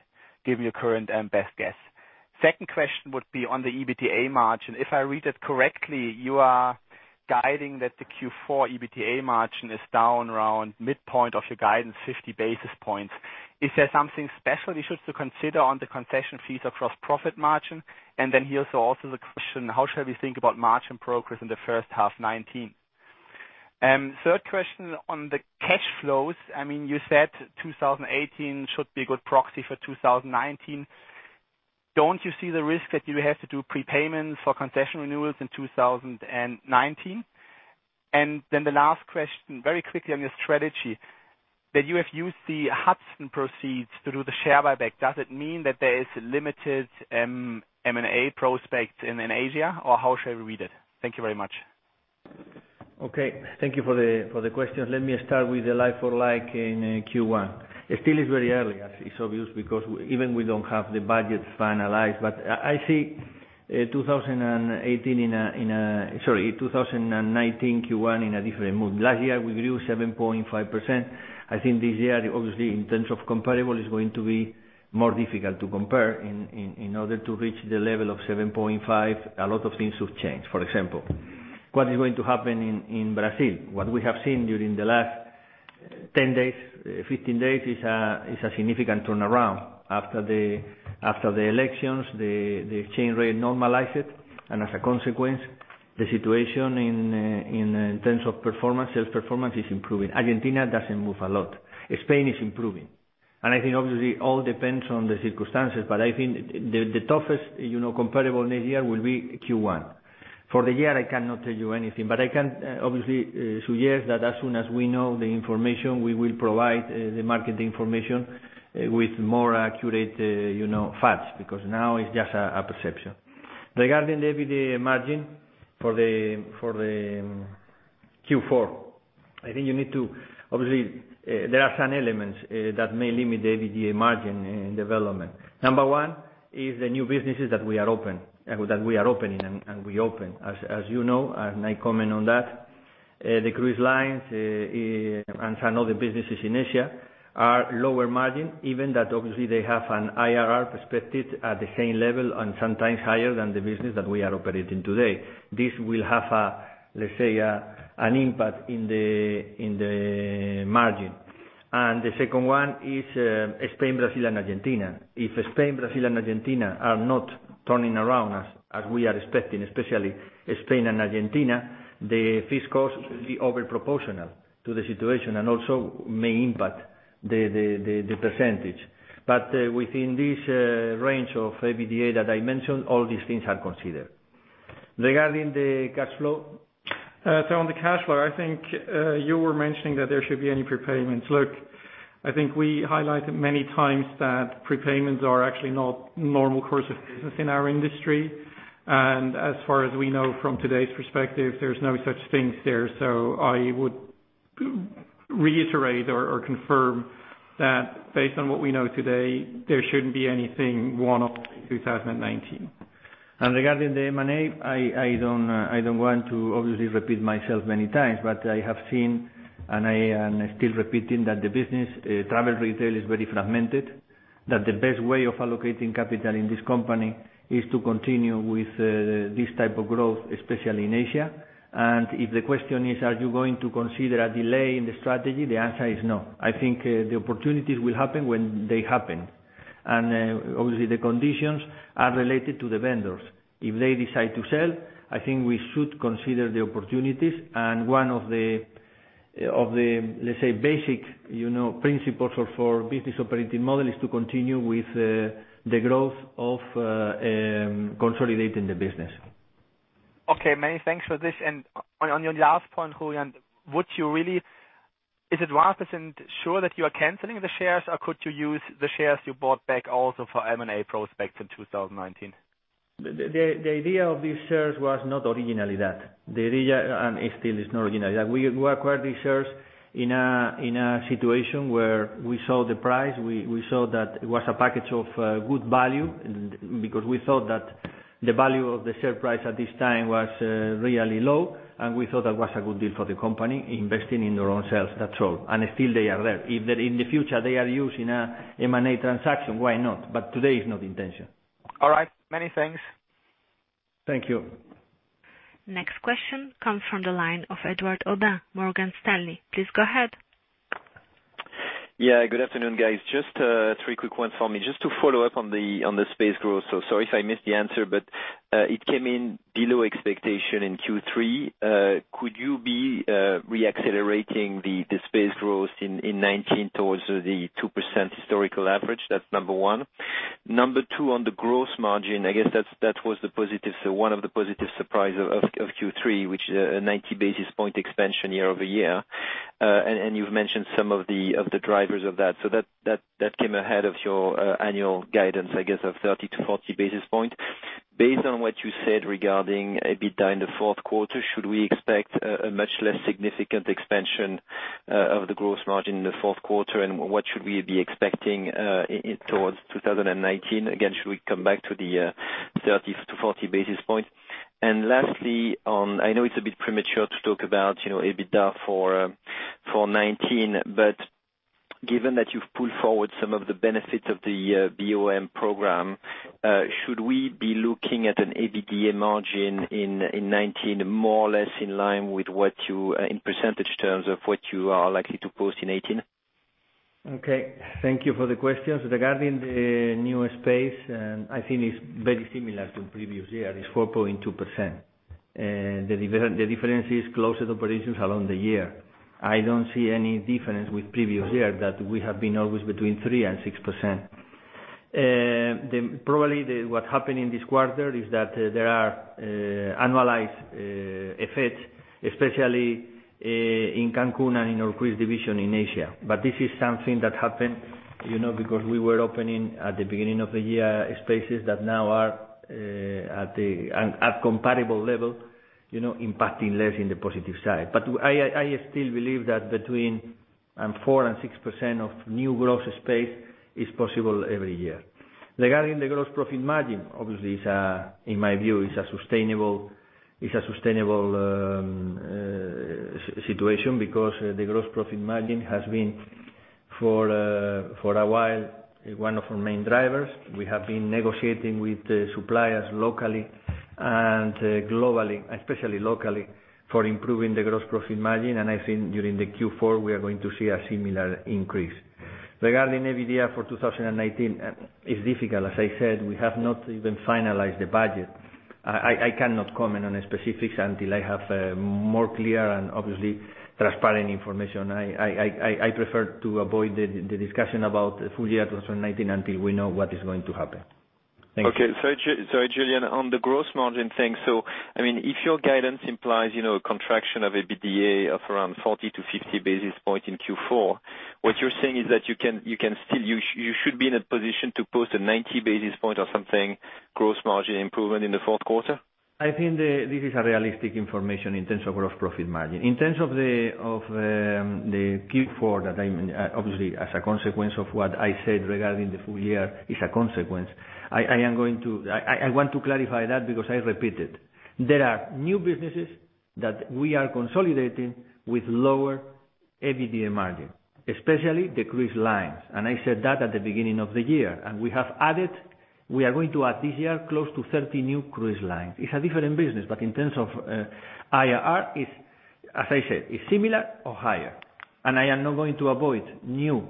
given your current and best guess? Second question would be on the EBITDA margin. If I read it correctly, you are guiding that the Q4 EBITDA margin is down around midpoint of your guidance 50 basis points. Is there something special you should to consider on the concession fees across profit margin? Here also the question, how should we think about margin progress in the first half 2019? Third question on the cash flows. You said 2018 should be a good proxy for 2019. Don't you see the risk that you have to do prepayments for concession renewals in 2019? The last question, very quickly on your strategy, that you have used the Hudson proceeds to do the share buyback. Does it mean that there is limited M&A prospect in Asia, or how should we read it? Thank you very much. Okay. Thank you for the questions. Let me start with the like-for-like in Q1. It still is very early, as is obvious, because even we don't have the budget finalized. I see 2019 Q1 in a different mood. Last year, we grew 7.5%. I think this year, obviously, in terms of comparable, it's going to be more difficult to compare. In order to reach the level of 7.5%, a lot of things have changed. For example, what is going to happen in Brazil? What we have seen during the last 10 days, 15 days, is a significant turnaround. After the elections, the exchange rate normalized, and as a consequence, the situation in terms of sales performance is improving. Argentina doesn't move a lot. Spain is improving. I think, obviously, all depends on the circumstances, but I think the toughest comparable next year will be Q1. For the year, I cannot tell you anything, I can obviously suggest that as soon as we know the information, we will provide the market information with more accurate facts, because now it's just a perception. Regarding the EBITDA margin for the Q4, obviously there are some elements that may limit the EBITDA margin development. Number one is the new businesses that we are opening and we opened. As you know, and I comment on that, the cruise lines and some other businesses in Asia are lower margin, even that obviously they have an IRR perspective at the same level and sometimes higher than the business that we are operating today. This will have, let's say, an impact in the margin. The second one is Spain, Brazil, and Argentina. If Spain, Brazil, and Argentina are not turning around as we are expecting, especially Spain and Argentina, the fixed costs will be over proportional to the situation, also may impact the percentage. Within this range of EBITDA that I mentioned, all these things are considered. Regarding the cash flow. On the cash flow, I think you were mentioning that there should be any prepayments. Look, I think we highlighted many times that prepayments are actually not normal course of business in our industry. As far as we know from today's perspective, there's no such things there. I would reiterate or confirm that based on what we know today, there shouldn't be anything one-off in 2019. Regarding the M&A, I don't want to obviously repeat myself many times, I have seen, I am still repeating that the business travel retail is very fragmented. The best way of allocating capital in this company is to continue with this type of growth, especially in Asia. If the question is, are you going to consider a delay in the strategy? The answer is no. I think the opportunities will happen when they happen. Obviously, the conditions are related to the vendors. If they decide to sell, I think we should consider the opportunities. One of the, let's say, basic principles for business operating model is to continue with the growth of consolidating the business. Okay, many thanks for this. On your last point, Julián, is it wise and sure that you are canceling the shares, or could you use the shares you bought back also for M&A prospects in 2019? The idea of these shares was not originally that. The idea, still is not originally that. We acquired these shares in a situation where we saw the price. We saw that it was a package of good value because we thought that the value of the share price at this time was really low, and we thought that was a good deal for the company, investing in their own shares. That's all. Still they are there. If in the future they are used in a M&A transaction, why not? Today is not the intention. All right. Many thanks. Thank you. Next question comes from the line of Edouard Aubin, Morgan Stanley. Please go ahead. Good afternoon, guys. Just three quick ones for me. Just to follow up on the space growth. Sorry if I missed the answer, but it came in below expectation in Q3. Could you be re-accelerating the space growth in 2019 towards the 2% historical average? That's number one. Number two, on the gross margin, I guess that was one of the positive surprise of Q3, which a 90 basis point expansion year-over-year. You've mentioned some of the drivers of that. That came ahead of your annual guidance, I guess, of 30 to 40 basis points. Based on what you said regarding EBITDA in the fourth quarter, should we expect a much less significant expansion of the gross margin in the fourth quarter, and what should we be expecting towards 2019? Again, should we come back to the 30 to 40 basis points? Lastly, I know it's a bit premature to talk about EBITDA for 2019, but given that you've pulled forward some of the benefits of the BOM program, should we be looking at an EBITDA margin in 2019 more or less in line with what you, in percentage terms, of what you are likely to post in 2018? Thank you for the question. Regarding the new space, I think it's very similar to previous year, it's 4.2%. The difference is closed operations around the year. I don't see any difference with previous year that we have been always between 3% and 6%. Probably what happened in this quarter is that there are annualized effects, especially in Cancun and in our cruise division in Asia. This is something that happened because we were opening at the beginning of the year spaces that now are at comparable level, impacting less in the positive side. I still believe that between 4% and 6% of new gross space is possible every year. Regarding the gross profit margin, obviously, in my view, it's a sustainable situation because the gross profit margin has been, for a while, one of our main drivers. We have been negotiating with suppliers locally and globally, especially locally, for improving the gross profit margin. I think during the Q4, we are going to see a similar increase. Regarding EBITDA for 2019, it is difficult. As I said, we have not even finalized the budget. I cannot comment on specifics until I have more clear and obviously transparent information. I prefer to avoid the discussion about full year 2019 until we know what is going to happen. Thank you. Okay. Sorry, Julián. On the gross margin thing, if your guidance implies a contraction of EBITDA of around 40 to 50 basis points in Q4, what you are saying is that you should be in a position to post a 90 basis points or something gross margin improvement in the fourth quarter? I think this is a realistic information in terms of gross profit margin. In terms of the Q4, obviously as a consequence of what I said regarding the full year is a consequence. I want to clarify that because I repeat it. There are new businesses that we are consolidating with lower EBITDA margin, especially the cruise lines, and I said that at the beginning of the year. We are going to add this year close to 30 new cruise lines. It is a different business, but in terms of IRR, as I said, it is similar or higher. I am not going to avoid new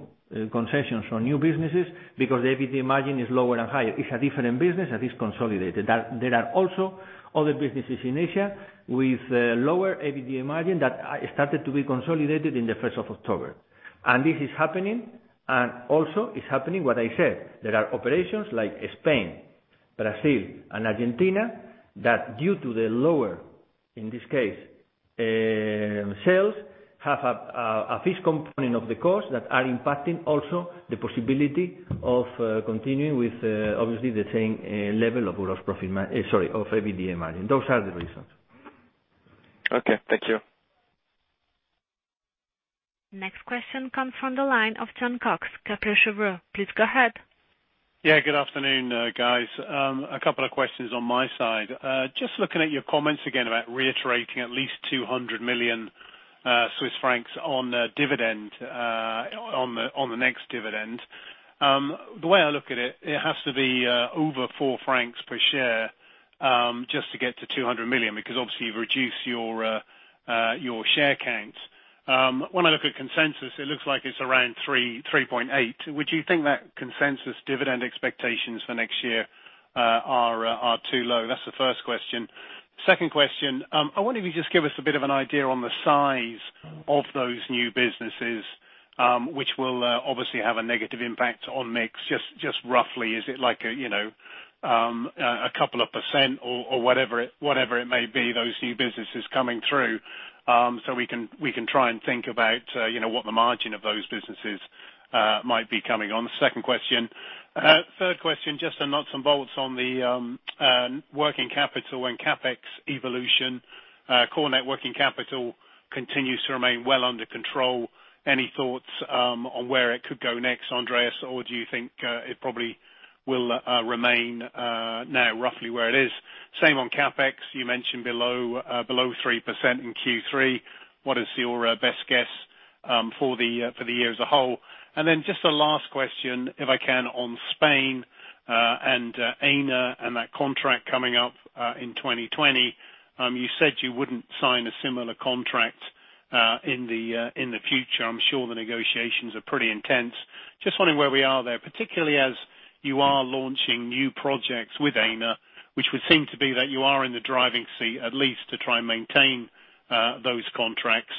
concessions or new businesses because the EBITDA margin is lower and higher. It is a different business, and it is consolidated. There are also other businesses in Asia with lower EBITDA margin that started to be consolidated in the 1st of October. This is happening, and also is happening what I said. There are operations like Spain, Brazil, and Argentina that due to the lower, in this case, sales have a fixed component of the cost that are impacting also the possibility of continuing with, obviously the same level of gross profit-- Sorry, of EBITDA margin. Those are the reasons. Okay. Thank you. Next question comes from the line of Jon Cox, Kepler Cheuvreux. Please go ahead. Yeah, good afternoon, guys. A couple of questions on my side. Just looking at your comments again about reiterating at least 200 million Swiss francs on the next dividend. The way I look at it has to be over 4 francs per share, just to get to 200 million, because obviously you've reduced your share count. When I look at consensus, it looks like it's around 3.8. Would you think that consensus dividend expectations for next year are too low? That's the first question. Second question, I wonder if you just give us a bit of an idea on the size of those new businesses, which will obviously have a negative impact on mix. Just roughly, is it like a couple of % or whatever it may be, those new businesses coming through, so we can try and think about what the margin of those businesses might be coming on. Second question. Third question, just the nuts and bolts on the working capital and CapEx evolution. Core net working capital continues to remain well under control. Any thoughts on where it could go next, Andreas, or do you think it probably will remain now roughly where it is? Same on CapEx. You mentioned below 3% in Q3. What is your best guess for the year as a whole? Just a last question, if I can, on Spain, and Aena and that contract coming up in 2020. You said you wouldn't sign a similar contract, in the future. I'm sure the negotiations are pretty intense. Just wondering where we are there, particularly as you are launching new projects with Aena, which would seem to be that you are in the driving seat, at least to try and maintain those contracts.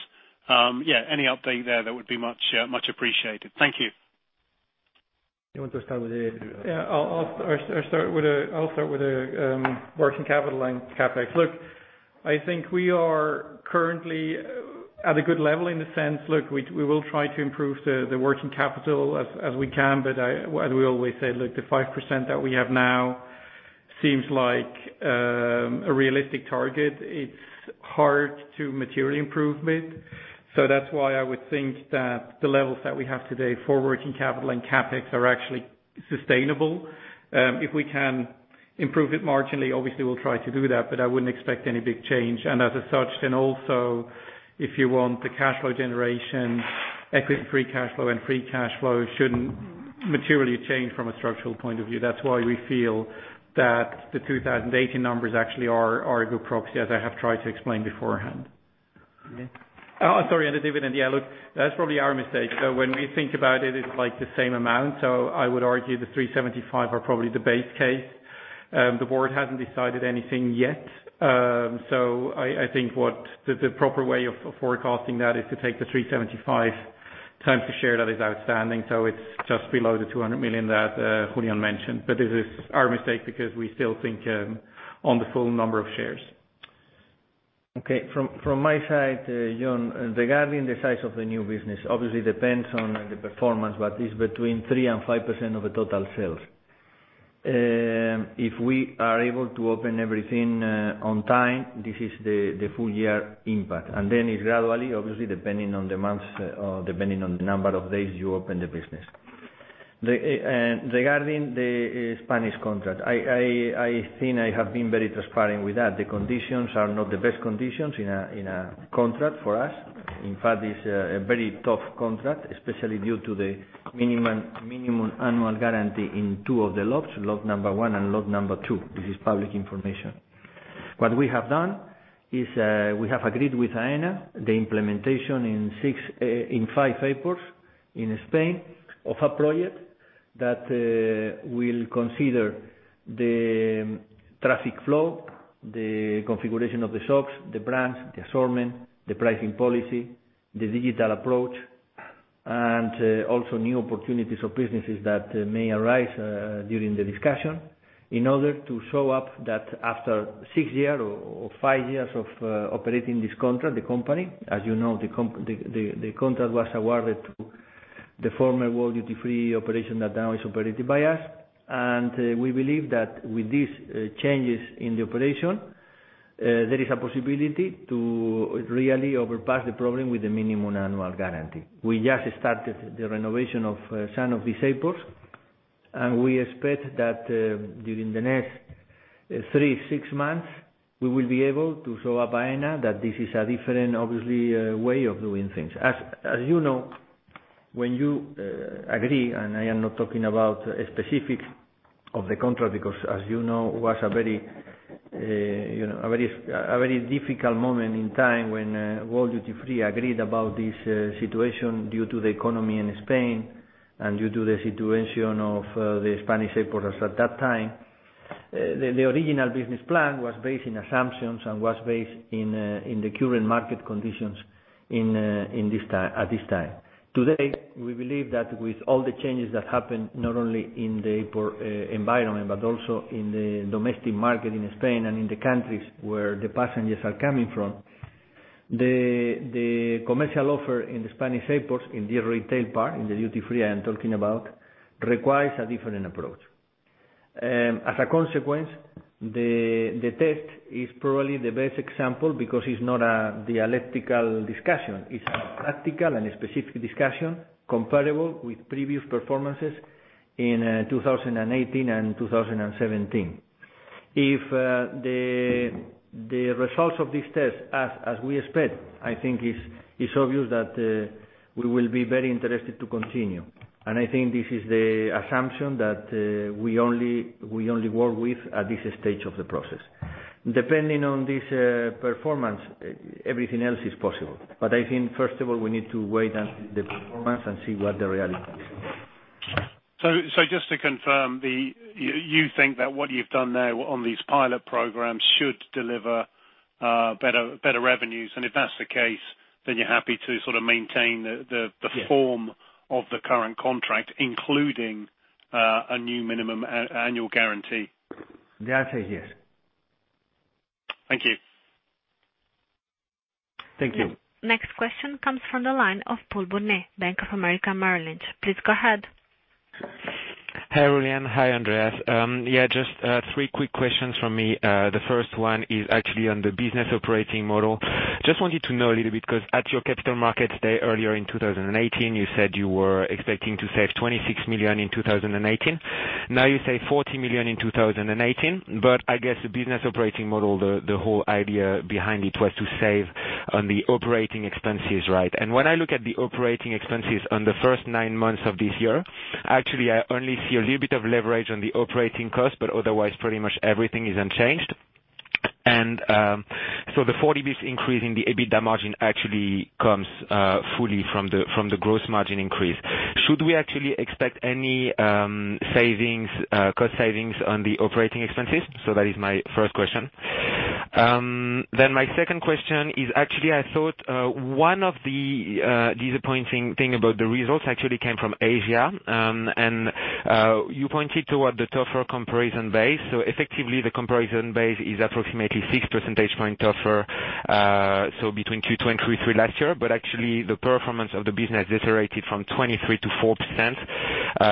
Any update there, that would be much appreciated. Thank you. You want to start with the I'll start with the working capital and CapEx. Look, I think we are currently at a good level in the sense. Look, we will try to improve the working capital as we can. As we always say, look, the 5% that we have now seems like a realistic target. It's hard to materially improve it. That's why I would think that the levels that we have today for working capital and CapEx are actually sustainable. If we can improve it marginally. Obviously, we'll try to do that, but I wouldn't expect any big change. As such, also, if you want the cash flow generation, equity free cash flow and free cash flow shouldn't materially change from a structural point of view. That's why we feel that the 2018 numbers actually are a good proxy, as I have tried to explain beforehand. Sorry, on the dividend. Look, that's probably our mistake. When we think about it's the same amount. I would argue the 3.75 are probably the base case. The board hasn't decided anything yet. I think the proper way of forecasting that is to take the 3.75 times the share that is outstanding. It's just below the 200 million that Julián mentioned. This is our mistake because we still think on the full number of shares. Okay. From my side, Jon, regarding the size of the new business, obviously depends on the performance, but is between 3% and 5% of the total sales. If we are able to open everything on time, this is the full year impact, and then it gradually, obviously, depending on the months, depending on the number of days you open the business. Regarding the Spanish contract, I think I have been very transparent with that. The conditions are not the best conditions in a contract for us. In fact, it is a very tough contract, especially due to the Minimum Annual Guarantee in two of the lots, lot number 1 and lot number 2. This is public information. What we have done is, we have agreed with Aena the implementation in five airports in Spain of a project that will consider the traffic flow, the configuration of the shops, the brands, the assortment, the pricing policy, the digital approach, and also new opportunities or businesses that may arise during the discussion in order to show up that after six years or five years of operating this contract, the company, as you know, the contract was awarded to the former World Duty Free operation that now is operated by us. We believe that with these changes in the operation, there is a possibility to really overpass the problem with the Minimum Annual Guarantee. We just started the renovation of some of these airports, and we expect that during the next three, six months, we will be able to show Aena that this is a different, obviously, way of doing things. As you know, when you agree, and I am not talking about specifics of the contract, because, as you know, it was a very difficult moment in time when World Duty Free agreed about this situation due to the economy in Spain and due to the situation of the Spanish airports at that time. The original business plan was based on assumptions and was based in the current market conditions at this time. Today, we believe that with all the changes that happened, not only in the airport environment, but also in the domestic market in Spain and in the countries where the passengers are coming from, the commercial offer in the Spanish airports, in the retail part, in the duty free I am talking about, requires a different approach. As a consequence, the test is probably the best example because it is not a dialectical discussion. It is a practical and a specific discussion comparable with previous performances in 2018 and 2017. If the results of this test, as we expect, I think it is obvious that we will be very interested to continue. I think this is the assumption that we only work with at this stage of the process. Depending on this performance, everything else is possible. I think, first of all, we need to wait on the performance and see what the reality is. Just to confirm, you think that what you've done there on these pilot programs should deliver better revenues, and if that's the case, then you're happy to sort of maintain. Yes form of the current contract, including a new Minimum Annual Guarantee. The answer is yes. Thank you. Thank you. Next question comes from the line of Paul Bonnet, Bank of America, Merrill Lynch. Please go ahead. Hey, Julián. Hi, Andreas. Yeah, just three quick questions from me. The first one is actually on the business operating model. Just wanted to know a little bit, because at your capital markets day earlier in 2018, you said you were expecting to save 26 million in 2018. Now you say 40 million in 2018, but I guess the business operating model, the whole idea behind it was to save on the operating expenses, right? When I look at the operating expenses on the first nine months of this year, actually, I only see a little bit of leverage on the operating cost, but otherwise, pretty much everything is unchanged. The 40 basis point increase in the EBITDA margin actually comes fully from the gross margin increase. Should we actually expect any cost savings on the operating expenses? That is my first question. My second question is actually, I thought one of the disappointing things about the results actually came from Asia. You pointed toward the tougher comparison base. Effectively, the comparison base is approximately six percentage point tougher, so between Q2 and Q3 last year. Actually, the performance of the business deteriorated from 23% to 4%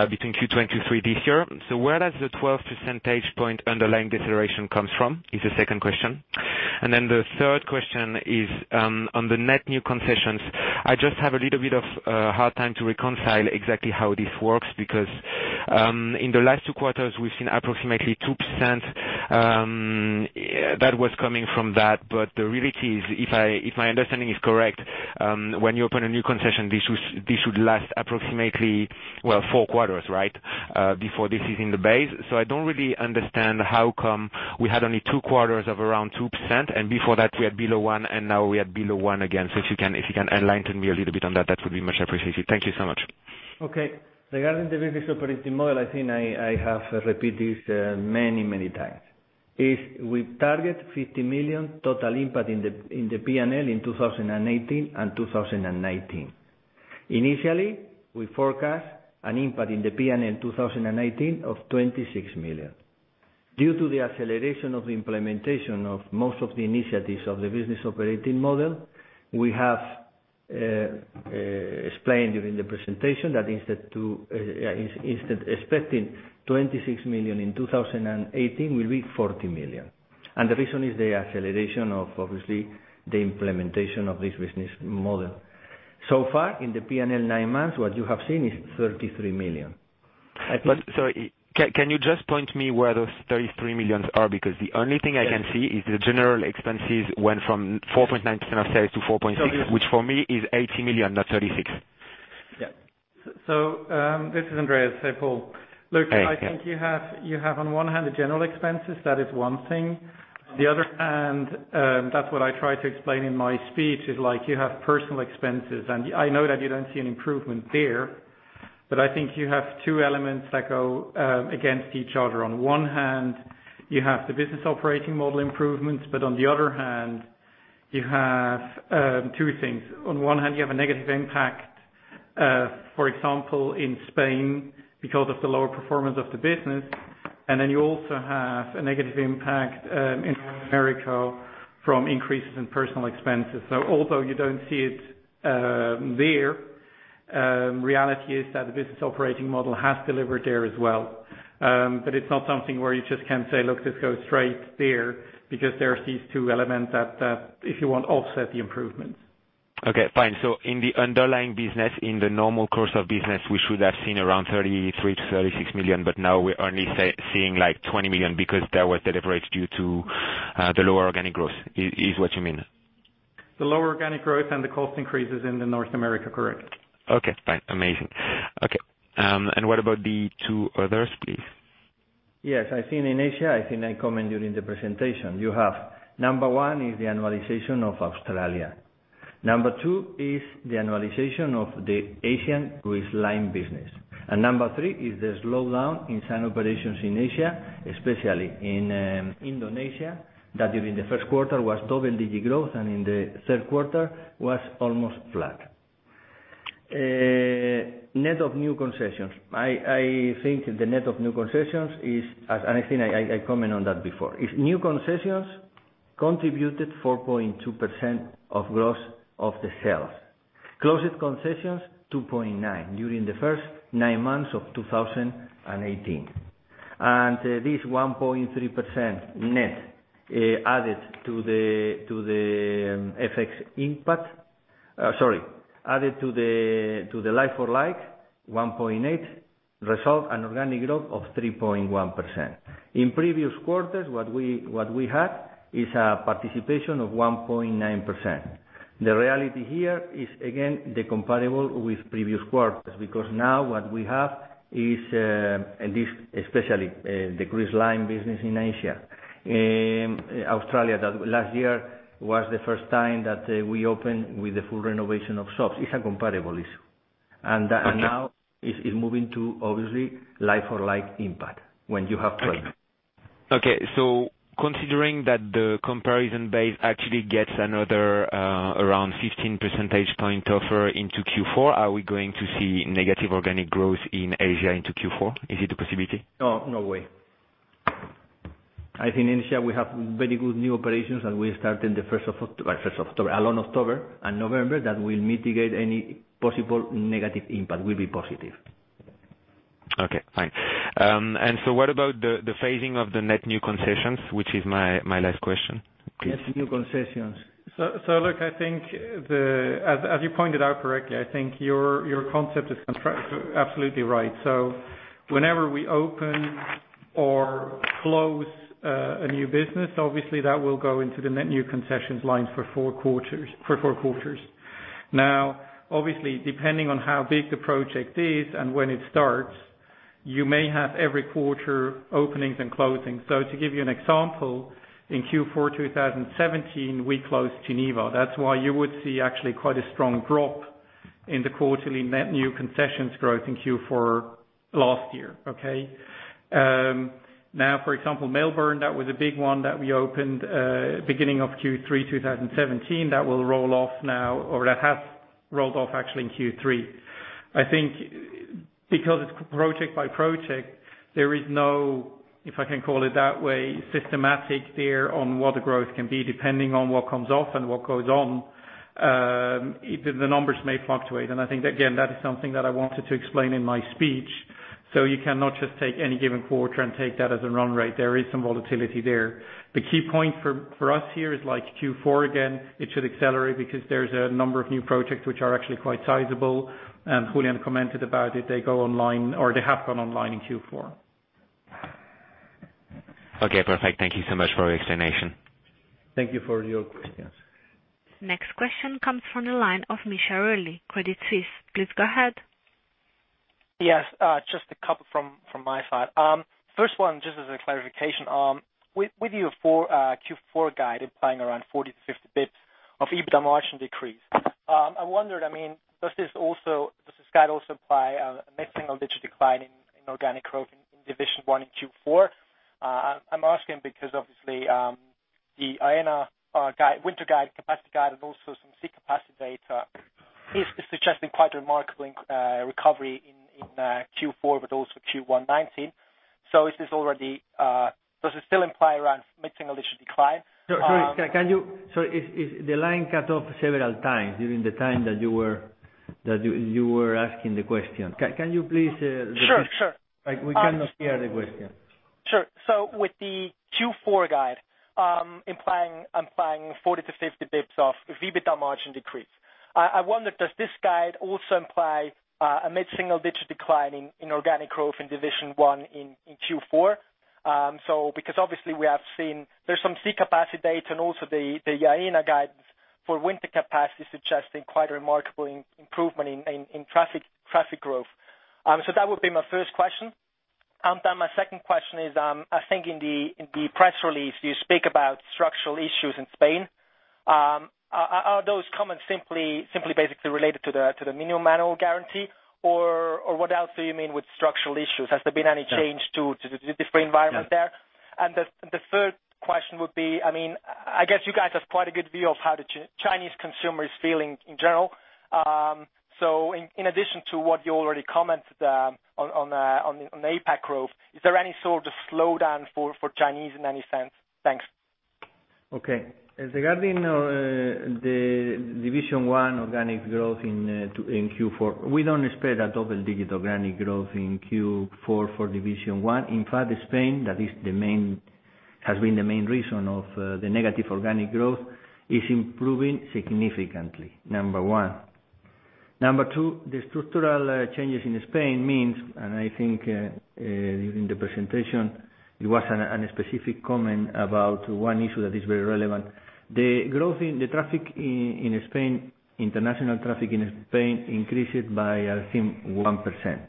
between Q2 and Q3 this year. Where does the 12 percentage point underlying deceleration come from, is the second question. The third question is on the net new concessions. I just have a little bit of a hard time to reconcile exactly how this works, because in the last two quarters, we've seen approximately 2% that was coming from that. The reality is, if my understanding is correct, when you open a new concession, this should last approximately four quarters, right? Before this is in the base. I don't really understand how come we had only two quarters of around 2%, and before that we had below one, and now we had below one again. If you can enlighten me a little bit on that would be much appreciated. Thank you so much. Okay. Regarding the business operating model, I think I have repeated this many, many times. If we target 50 million total impact in the P&L in 2018 and 2019. Initially, we forecast an impact in the P&L in 2018 of 26 million. Due to the acceleration of the implementation of most of the initiatives of the business operating model, we have explained during the presentation that instead expecting 26 million in 2018, will be 40 million. The reason is the acceleration of obviously the implementation of this business model. So far, in the P&L nine months, what you have seen is 33 million. Sorry, can you just point me where those 33 million are? The only thing I can see is the general expenses went from 4.9% of sales to 4.6%, which for me is 80 million, not 36 million. Yeah. This is Andreas. Hey, Paul. Hey. I think you have on one hand the general expenses, that is one thing. On the other hand, that's what I tried to explain in my speech, is you have personal expenses. I know that you don't see an improvement there, but I think you have two elements that go against each other. On one hand, you have the business operating model improvements, on the other hand, you have two things. On one hand, you have a negative impact, for example, in Spain, because of the lower performance of the business, you also have a negative impact in North America from increases in personal expenses. Although you don't see it there, reality is that the business operating model has delivered there as well. It's not something where you just can say, "Look, this goes straight there," because there's these two elements that, if you want, offset the improvements. Okay, fine. In the underlying business, in the normal course of business, we should have seen around 33 million-36 million, but now we're only seeing 20 million because that was delivered due to the lower organic growth, is what you mean? The lower organic growth and the cost increases in North America. Correct. Okay, fine. Amazing. Okay. What about the two others, please? Yes, I think in Asia, I think I commented during the presentation. You have, number 1 is the annualization of Australia. Number 2 is the annualization of the Asian cruise line business. Number 3 is the slowdown in some operations in Asia, especially in Indonesia, that during the first quarter was double-digit growth, and in the third quarter was almost flat. Net of new concessions. I think the net of new concessions is, I think I commented on that before, is new concessions contributed 4.2% of growth of the sales. Closed concessions, 2.9% during the first nine months of 2018. This 1.3% net added to the FX impact. Sorry, added to the like-for-like 1.8%, result an organic growth of 3.1%. In previous quarters, what we had is a participation of 1.9%. The reality here is, again, the comparable with previous quarters. Now what we have is, especially the cruise line business in Asia. Australia, last year, was the first time that we opened with the full renovation of shops. It's a comparable issue. Now it's moving to, obviously, like-for-like impact when you have trade. Okay. Considering that the comparison base actually gets another around 15 percentage points off into Q4, are we going to see negative organic growth in Asia into Q4? Is it a possibility? No. No way. I think in Asia, we have very good new operations that will start along October and November that will mitigate any possible negative impact. We'll be positive. Okay, fine. What about the phasing of the net new concessions, which is my last question. Net new concessions. Look, as you pointed out correctly, I think your concept is absolutely right. Whenever we open or close a new business, obviously that will go into the net new concessions line for four quarters. Obviously, depending on how big the project is and when it starts, you may have every quarter openings and closing. To give you an example, in Q4 2017, we closed Geneva. That is why you would see actually quite a strong drop in the quarterly net new concessions growth in Q4 last year. Okay. For example, Melbourne, that was a big one that we opened beginning of Q3 2017. That will roll off now, or that has rolled off actually in Q3. I think because it is project by project, there is no, if I can call it that way, systematic view on what the growth can be, depending on what comes off and what goes on. The numbers may fluctuate. I think, again, that is something that I wanted to explain in my speech. You cannot just take any given quarter and take that as a run rate. There is some volatility there. The key point for us here is Q4 again, it should accelerate because there is a number of new projects which are actually quite sizable, and Julián commented about it. They go online, or they have gone online in Q4. Okay, perfect. Thank you so much for your explanation. Thank you for your questions. Next question comes from the line of Misha Earley, Credit Suisse. Please go ahead. Yes, just a couple from my side. First one, just as a clarification. With your Q4 guide implying around 40-50 basis points of EBITDA margin decrease, I wondered, does this guide also imply a mid-single digit decline in organic growth in Division One in Q4? I'm asking because obviously, the Aena winter capacity guide, and also some sea capacity data, is suggesting quite a remarkable recovery in Q4, but also Q1 2019. Does this still imply around mid-single digit decline? Sorry, the line cut off several times during the time that you were asking the question. Can you please repeat? Sure. We cannot hear the question. Sure. With the Q4 guide implying 40 to 50 basis points of EBITDA margin decrease, I wonder, does this guide also imply a mid-single digit decline in organic growth in Division One in Q4? Because obviously we have seen there's some sea capacity data and also the Aena guidance for winter capacity suggesting quite a remarkable improvement in traffic growth. That would be my first question. My second question is, I think in the press release, you speak about structural issues in Spain. Are those comments simply basically related to the Minimum Annual Guarantee, or what else do you mean with structural issues? Has there been any change to the different environment there? Yeah. The third question would be, I guess you guys have quite a good view of how the Chinese consumer is feeling in general. In addition to what you already commented on the APAC growth, is there any sort of slowdown for Chinese in any sense? Thanks. Okay. Regarding the Division One organic growth in Q4, we don't expect a double-digit organic growth in Q4 for Division One. In fact, Spain, that has been the main reason of the negative organic growth, is improving significantly. Number one. Number two, the structural changes in Spain means, and I think, during the presentation, it was a specific comment about one issue that is very relevant. The traffic in Spain, international traffic in Spain, increased by, I think, 1%.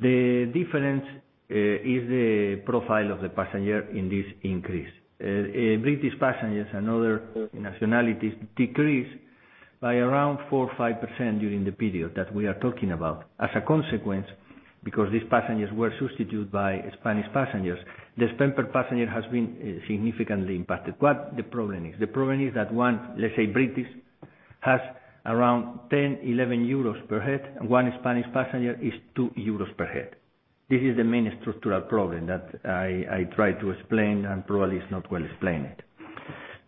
The difference is the profile of the passenger in this increase. British passengers and other nationalities decreased by around 4% or 5% during the period that we are talking about. As a consequence, because these passengers were substituted by Spanish passengers, the spend per passenger has been significantly impacted. What the problem is? The problem is that one, let's say British, has around 10, 11 euros per head, and one Spanish passenger is 2 euros per head. This is the main structural problem that I tried to explain and probably it's not well explained.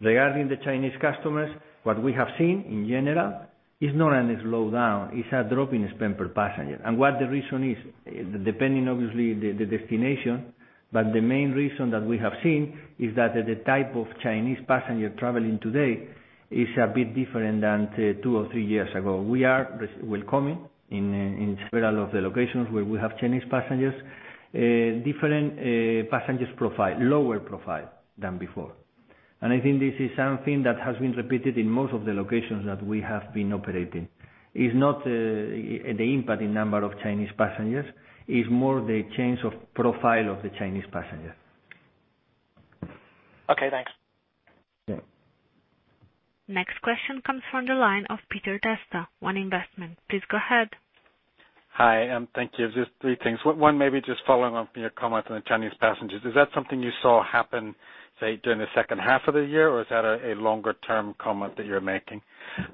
Regarding the Chinese customers, what we have seen, in general, is not any slowdown. It's a drop in spend per passenger. What the reason is, depending, obviously, the destination, but the main reason that we have seen is that the type of Chinese passenger traveling today is a bit different than two or three years ago. We are welcoming, in several of the locations where we have Chinese passengers, a different passengers profile, lower profile than before. I think this is something that has been repeated in most of the locations that we have been operating. It's not the impact in number of Chinese passengers. It's more the change of profile of the Chinese passenger. Okay, thanks. Yeah. Next question comes from the line of Peter Testa, One Investment. Please go ahead. Hi, thank you. Just three things. One, maybe just following on from your comment on the Chinese passengers. Is that something you saw happen, say, during the second half of the year, or is that a longer term comment that you're making?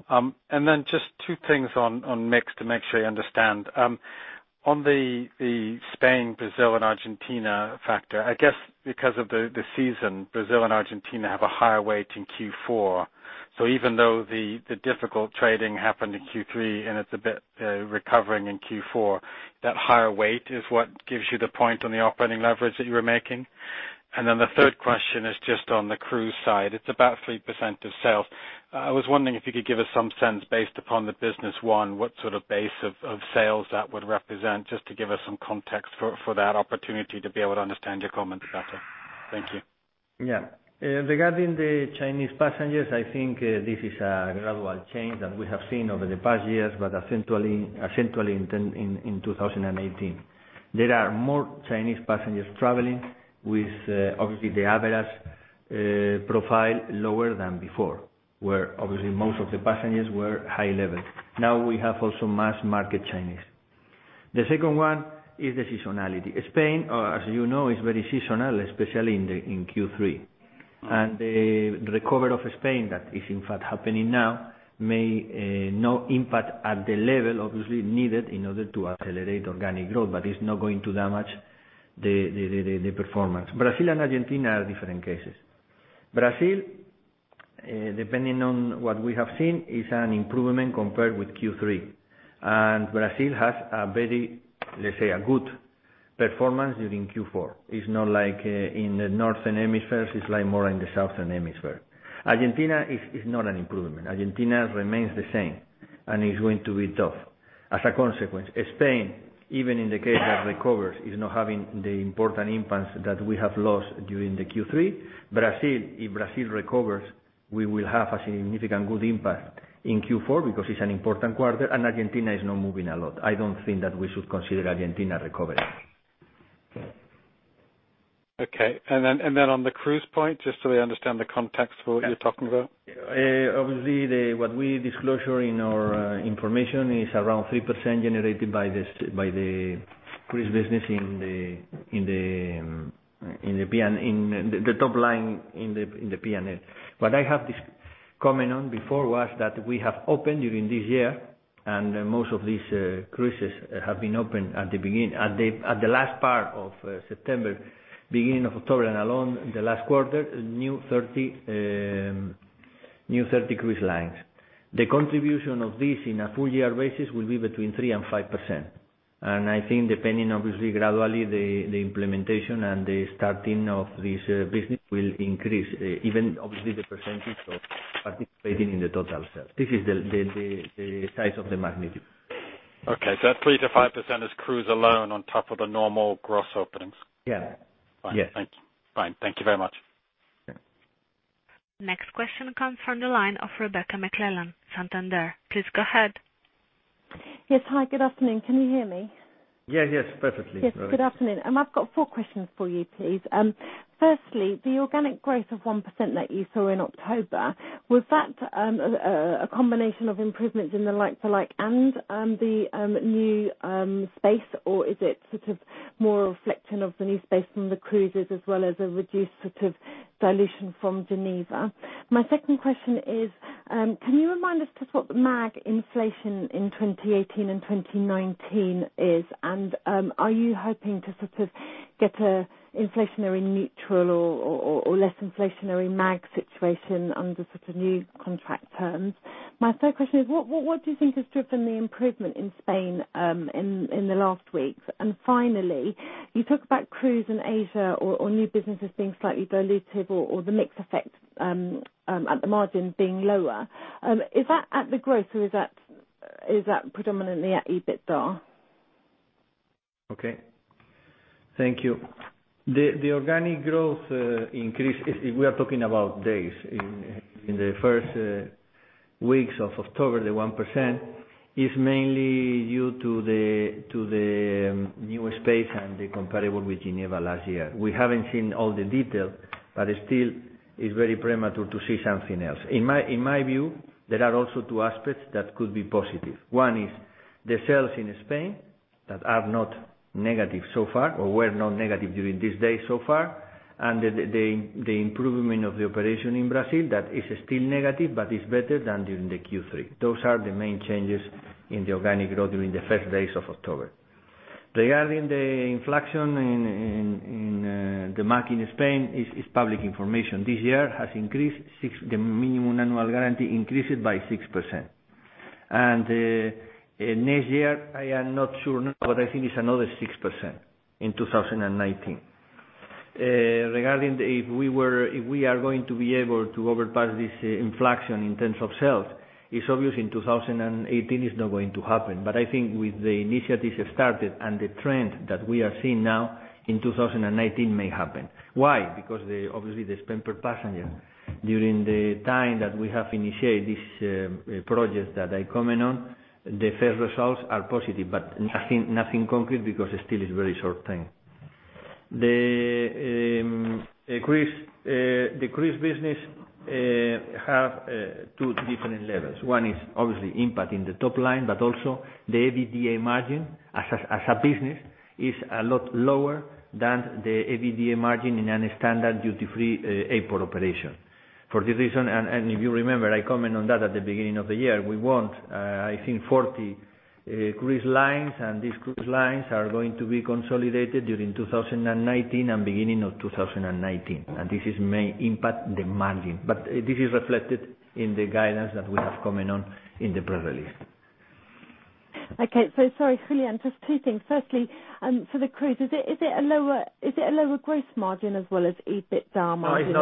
Just two things on mix to make sure I understand. On the Spain, Brazil, and Argentina factor, I guess because of the season, Brazil and Argentina have a higher weight in Q4. Even though the difficult trading happened in Q3 and it's a bit recovering in Q4, that higher weight is what gives you the point on the operating leverage that you were making? The third question is just on the cruise side. It's about 3% of sales. I was wondering if you could give us some sense, based upon the business won, what sort of base of sales that would represent, just to give us some context for that opportunity to be able to understand your comments better. Thank you. Regarding the Chinese passengers, I think this is a gradual change that we have seen over the past years, but especially in 2018. There are more Chinese passengers traveling with, obviously, the average profile lower than before, where obviously most of the passengers were high level. Now we have also mass market Chinese. The second one is the seasonality. Spain, as you know, is very seasonal, especially in Q3. The recovery of Spain that is in fact happening now may no impact at the level obviously needed in order to accelerate organic growth, but it's not going to damage the performance. Brazil and Argentina are different cases. Brazil, depending on what we have seen, it's an improvement compared with Q3. Brazil has a very, let's say, a good performance during Q4. It's not like in the northern hemispheres, it's more in the southern hemisphere. Argentina is not an improvement. Argentina remains the same and is going to be tough. As a consequence, Spain, even in the case that recovers, is not having the important impacts that we have lost during the Q3. Brazil, if Brazil recovers, we will have a significant good impact in Q4 because it's an important quarter, and Argentina is not moving a lot. I don't think that we should consider Argentina recovering. Okay. On the cruise point, just so I understand the context for what you're talking about. Obviously, what we disclose in our information is around 3% generated by the cruise business in the top line in the P&L. What I have this comment on before was that we have opened during this year, and most of these cruises have been opened at the last part of September, beginning of October, and along the last quarter, new 30 cruise lines. The contribution of this in a full year basis will be between 3% and 5%. I think depending, obviously, gradually, the implementation and the starting of this business will increase even obviously the percentage of participating in the total sales. This is the size of the magnitude. Okay. That 3% to 5% is cruise alone on top of the normal gross openings? Yeah. Fine. Thank you very much. Okay. Next question comes from the line of Rebecca McClellan, Santander. Please go ahead. Yes. Hi, good afternoon. Can you hear me? Yes. Perfectly. Yes. Good afternoon. I've got four questions for you, please. Firstly, the organic growth of 1% that you saw in October, was that a combination of improvements in the like-for-like and the new space, or is it more a reflection of the new space from the cruises as well as a reduced sort of dilution from Geneva? My second question is, can you remind us just what the MAG inflation in 2018 and 2019 is, and are you hoping to get an inflationary neutral or less inflationary MAG situation under new contract terms? My third question is, what do you think has driven the improvement in Spain in the last weeks? Finally, you talk about cruise and Asia or new businesses being slightly dilutive or the mix effect at the margin being lower. Is that at the growth or is that predominantly at EBITDA? Okay. Thank you. The organic growth increase, we are talking about days in the first weeks of October, the 1%, is mainly due to the newer space and the comparable with Geneva last year. We haven't seen all the detail, but still, it's very premature to say something else. In my view, there are also two aspects that could be positive. One is the sales in Spain that are not negative so far or were not negative during this day so far, and the improvement of the operation in Brazil that is still negative, but is better than during the Q3. Those are the main changes in the organic growth during the first days of October. Regarding the inflation in the market in Spain, it's public information. This year has increased, the Minimum Annual Guarantee increased by 6%. Next year, I am not sure, but I think it's another 6% in 2019. Regarding if we are going to be able to overpass this inflation in terms of sales, it's obvious in 2018, it's not going to happen. I think with the initiatives started and the trend that we are seeing now, in 2019 may happen. Why? Because obviously the spend per passenger during the time that we have initiated this project that I comment on, the first results are positive, but nothing concrete because it still is very short time. The cruise business have two different levels. One is obviously impact in the top line, but also the EBITDA margin as a business is a lot lower than the EBITDA margin in any standard duty-free airport operation. For this reason, and if you remember, I comment on that at the beginning of the year, we want, I think, 40 cruise lines, and these cruise lines are going to be consolidated during 2019 and beginning of 2019. This is main impact the margin. This is reflected in the guidance that we have comment on in the press release. Okay. Sorry, Julián, just two things. Firstly, for the cruise, is it a lower growth margin as well as EBITDA margin? No,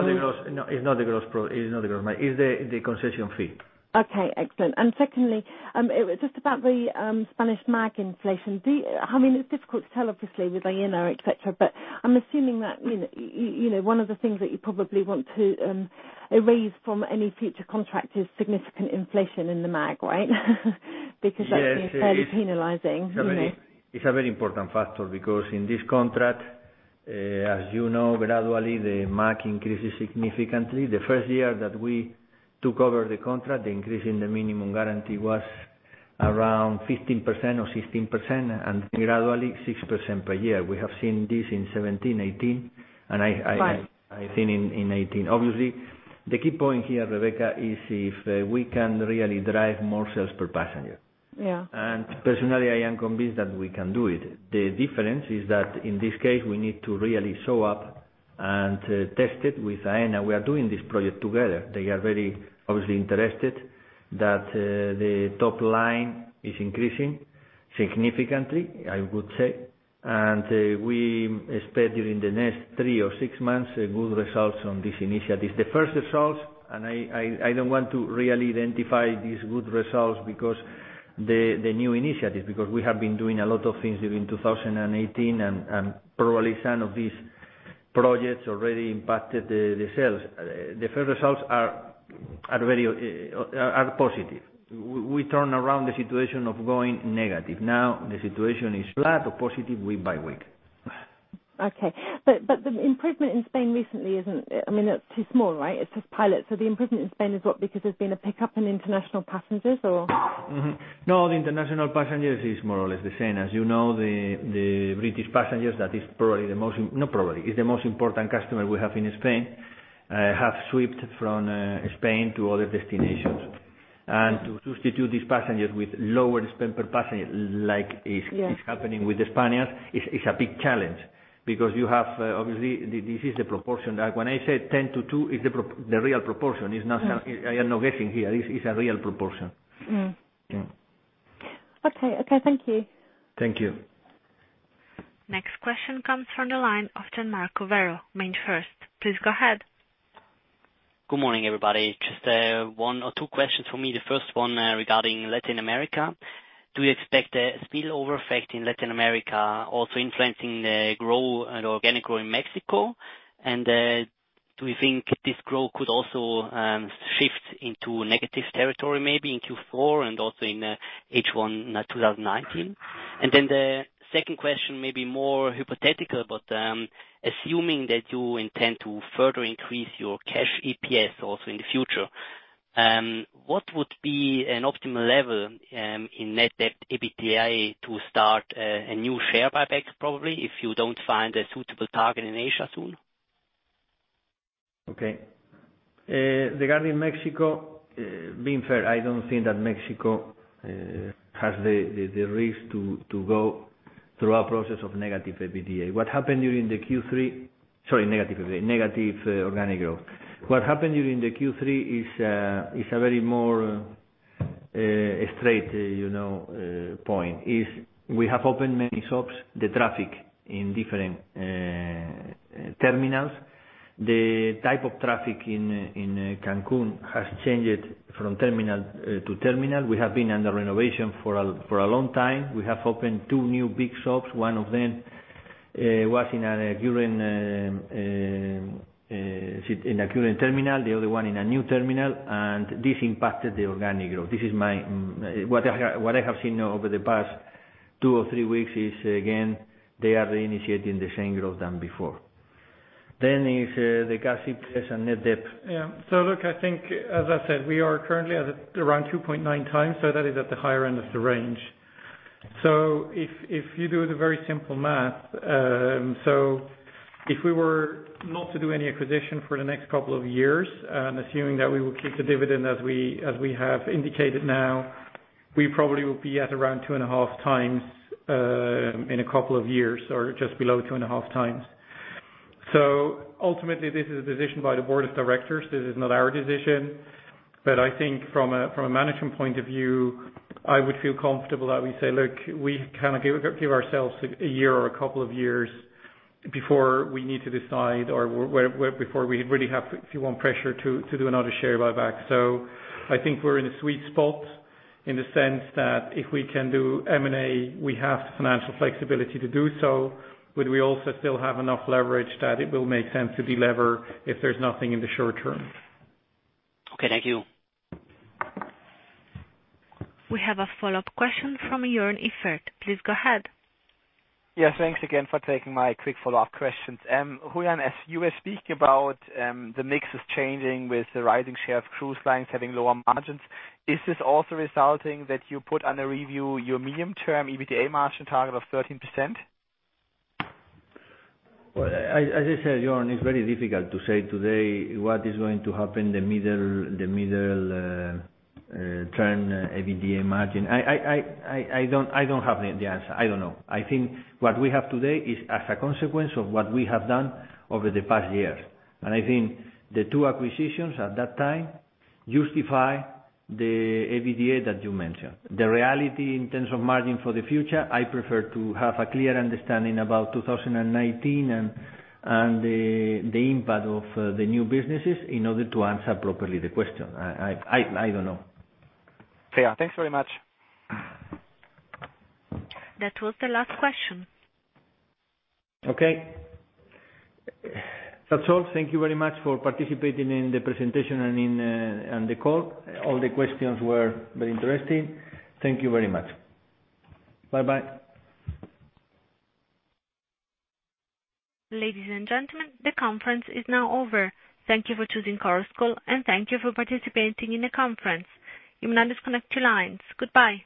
it's not the gross. It's the concession fee. Okay, excellent. Secondly, just about the Spanish MAG inflation. It's difficult to tell, obviously, with IFRS 16, et cetera, but I'm assuming that one of the things that you probably want to erase from any future contract is significant inflation in the MAG, right? Because that can be fairly penalizing. It's a very important factor because in this contract, as you know, gradually, the MAG increases significantly. The first year that we took over the contract, the increase in the minimum guarantee was around 15% or 16%, and gradually 6% per year. We have seen this in 2017, 2018. Right. I think in 2018. Obviously, the key point here, Rebecca, is if we can really drive more sales per passenger. Yeah. Personally, I am convinced that we can do it. The difference is that in this case, we need to really show up and test it with Aena. We are doing this project together. They are very, obviously interested that the top line is increasing significantly, I would say. We expect during the next three or six months, good results on this initiative. The first results, and I don't want to really identify these good results because the new initiatives, because we have been doing a lot of things during 2018 and probably some of these projects already impacted the sales. The first results are positive. We turn around the situation of going negative. Now, the situation is flat or positive week by week. The improvement in Spain recently, it's too small, right? It's just pilot. The improvement in Spain is what, because there's been a pickup in international passengers, or? No, the international passengers is more or less the same. As you know, the British passengers, that is the most important customer we have in Spain, have switched from Spain to other destinations. To substitute these passengers with lower spend per passenger, like is Yes happening with the Spaniards, is a big challenge because obviously, this is the proportion. When I say 10 to two, it's the real proportion. I am not guessing here. It's a real proportion. Yeah. Okay. Thank you. Thank you. Next question comes from the line of Gian Marco Werro, MainFirst. Please go ahead. Good morning, everybody. Just one or two questions from me. The first one regarding Latin America. Do you expect a spillover effect in Latin America also influencing the growth and organic growth in Mexico? Do you think this growth could also shift into negative territory maybe in Q4 and also in H1 2019? The second question may be more hypothetical, assuming that you intend to further increase your cash EPS also in the future, what would be an optimal level in Net Debt/EBITDA to start a new share buyback probably, if you don't find a suitable target in Asia soon? Okay. Regarding Mexico, being fair, I don't think that Mexico has the risk to go through a process of negative EBITDA. Sorry, negative organic growth. What happened during the Q3 is a very more straight point. Is we have opened many shops, the traffic in different terminals. The type of traffic in Cancun has changed from terminal to terminal. We have been under renovation for a long time. We have opened two new big shops. One of them was in a current terminal, the other one in a new terminal, and this impacted the organic growth. What I have seen over the past two or three weeks is, again, they are reinitiating the same growth than before. Is the cash EBITDA and net debt. Yeah. Look, I think, as I said, we are currently at around 2.9 times, that is at the higher end of the range. If you do the very simple math, if we were not to do any acquisition for the next couple of years, and assuming that we will keep the dividend as we have indicated now, we probably will be at around 2.5 times, in a couple of years, or just below 2.5 times. Ultimately, this is a decision by the board of directors. This is not our decision. I think from a management point of view, I would feel comfortable that we say, look, we give ourselves a year or a couple of years before we need to decide, or before we really have, if you want, pressure to do another share buyback. I think we're in a sweet spot in the sense that if we can do M&A, we have the financial flexibility to do so, we also still have enough leverage that it will make sense to delever if there's nothing in the short term. Okay. Thank you. We have a follow-up question from Joern Iffert. Please go ahead. Yeah. Thanks again for taking my quick follow-up questions. Julián, as you were speaking about the mix is changing with the rising share of cruise lines having lower margins, is this also resulting that you put under review your medium-term EBITDA margin target of 13%? As I said, Joern, it's very difficult to say today what is going to happen the medium-term EBITDA margin. I don't have the answer. I don't know. I think what we have today is as a consequence of what we have done over the past years. I think the two acquisitions at that time justify the EBITDA that you mentioned. The reality in terms of margin for the future, I prefer to have a clear understanding about 2019 and the impact of the new businesses in order to answer properly the question. I don't know. Clear. Thanks very much. That was the last question. Okay. That's all. Thank you very much for participating in the presentation and the call. All the questions were very interesting. Thank you very much. Bye-bye. Ladies and gentlemen, the conference is now over. Thank you for choosing Chorus Call, and thank you for participating in the conference. You may disconnect your lines. Goodbye.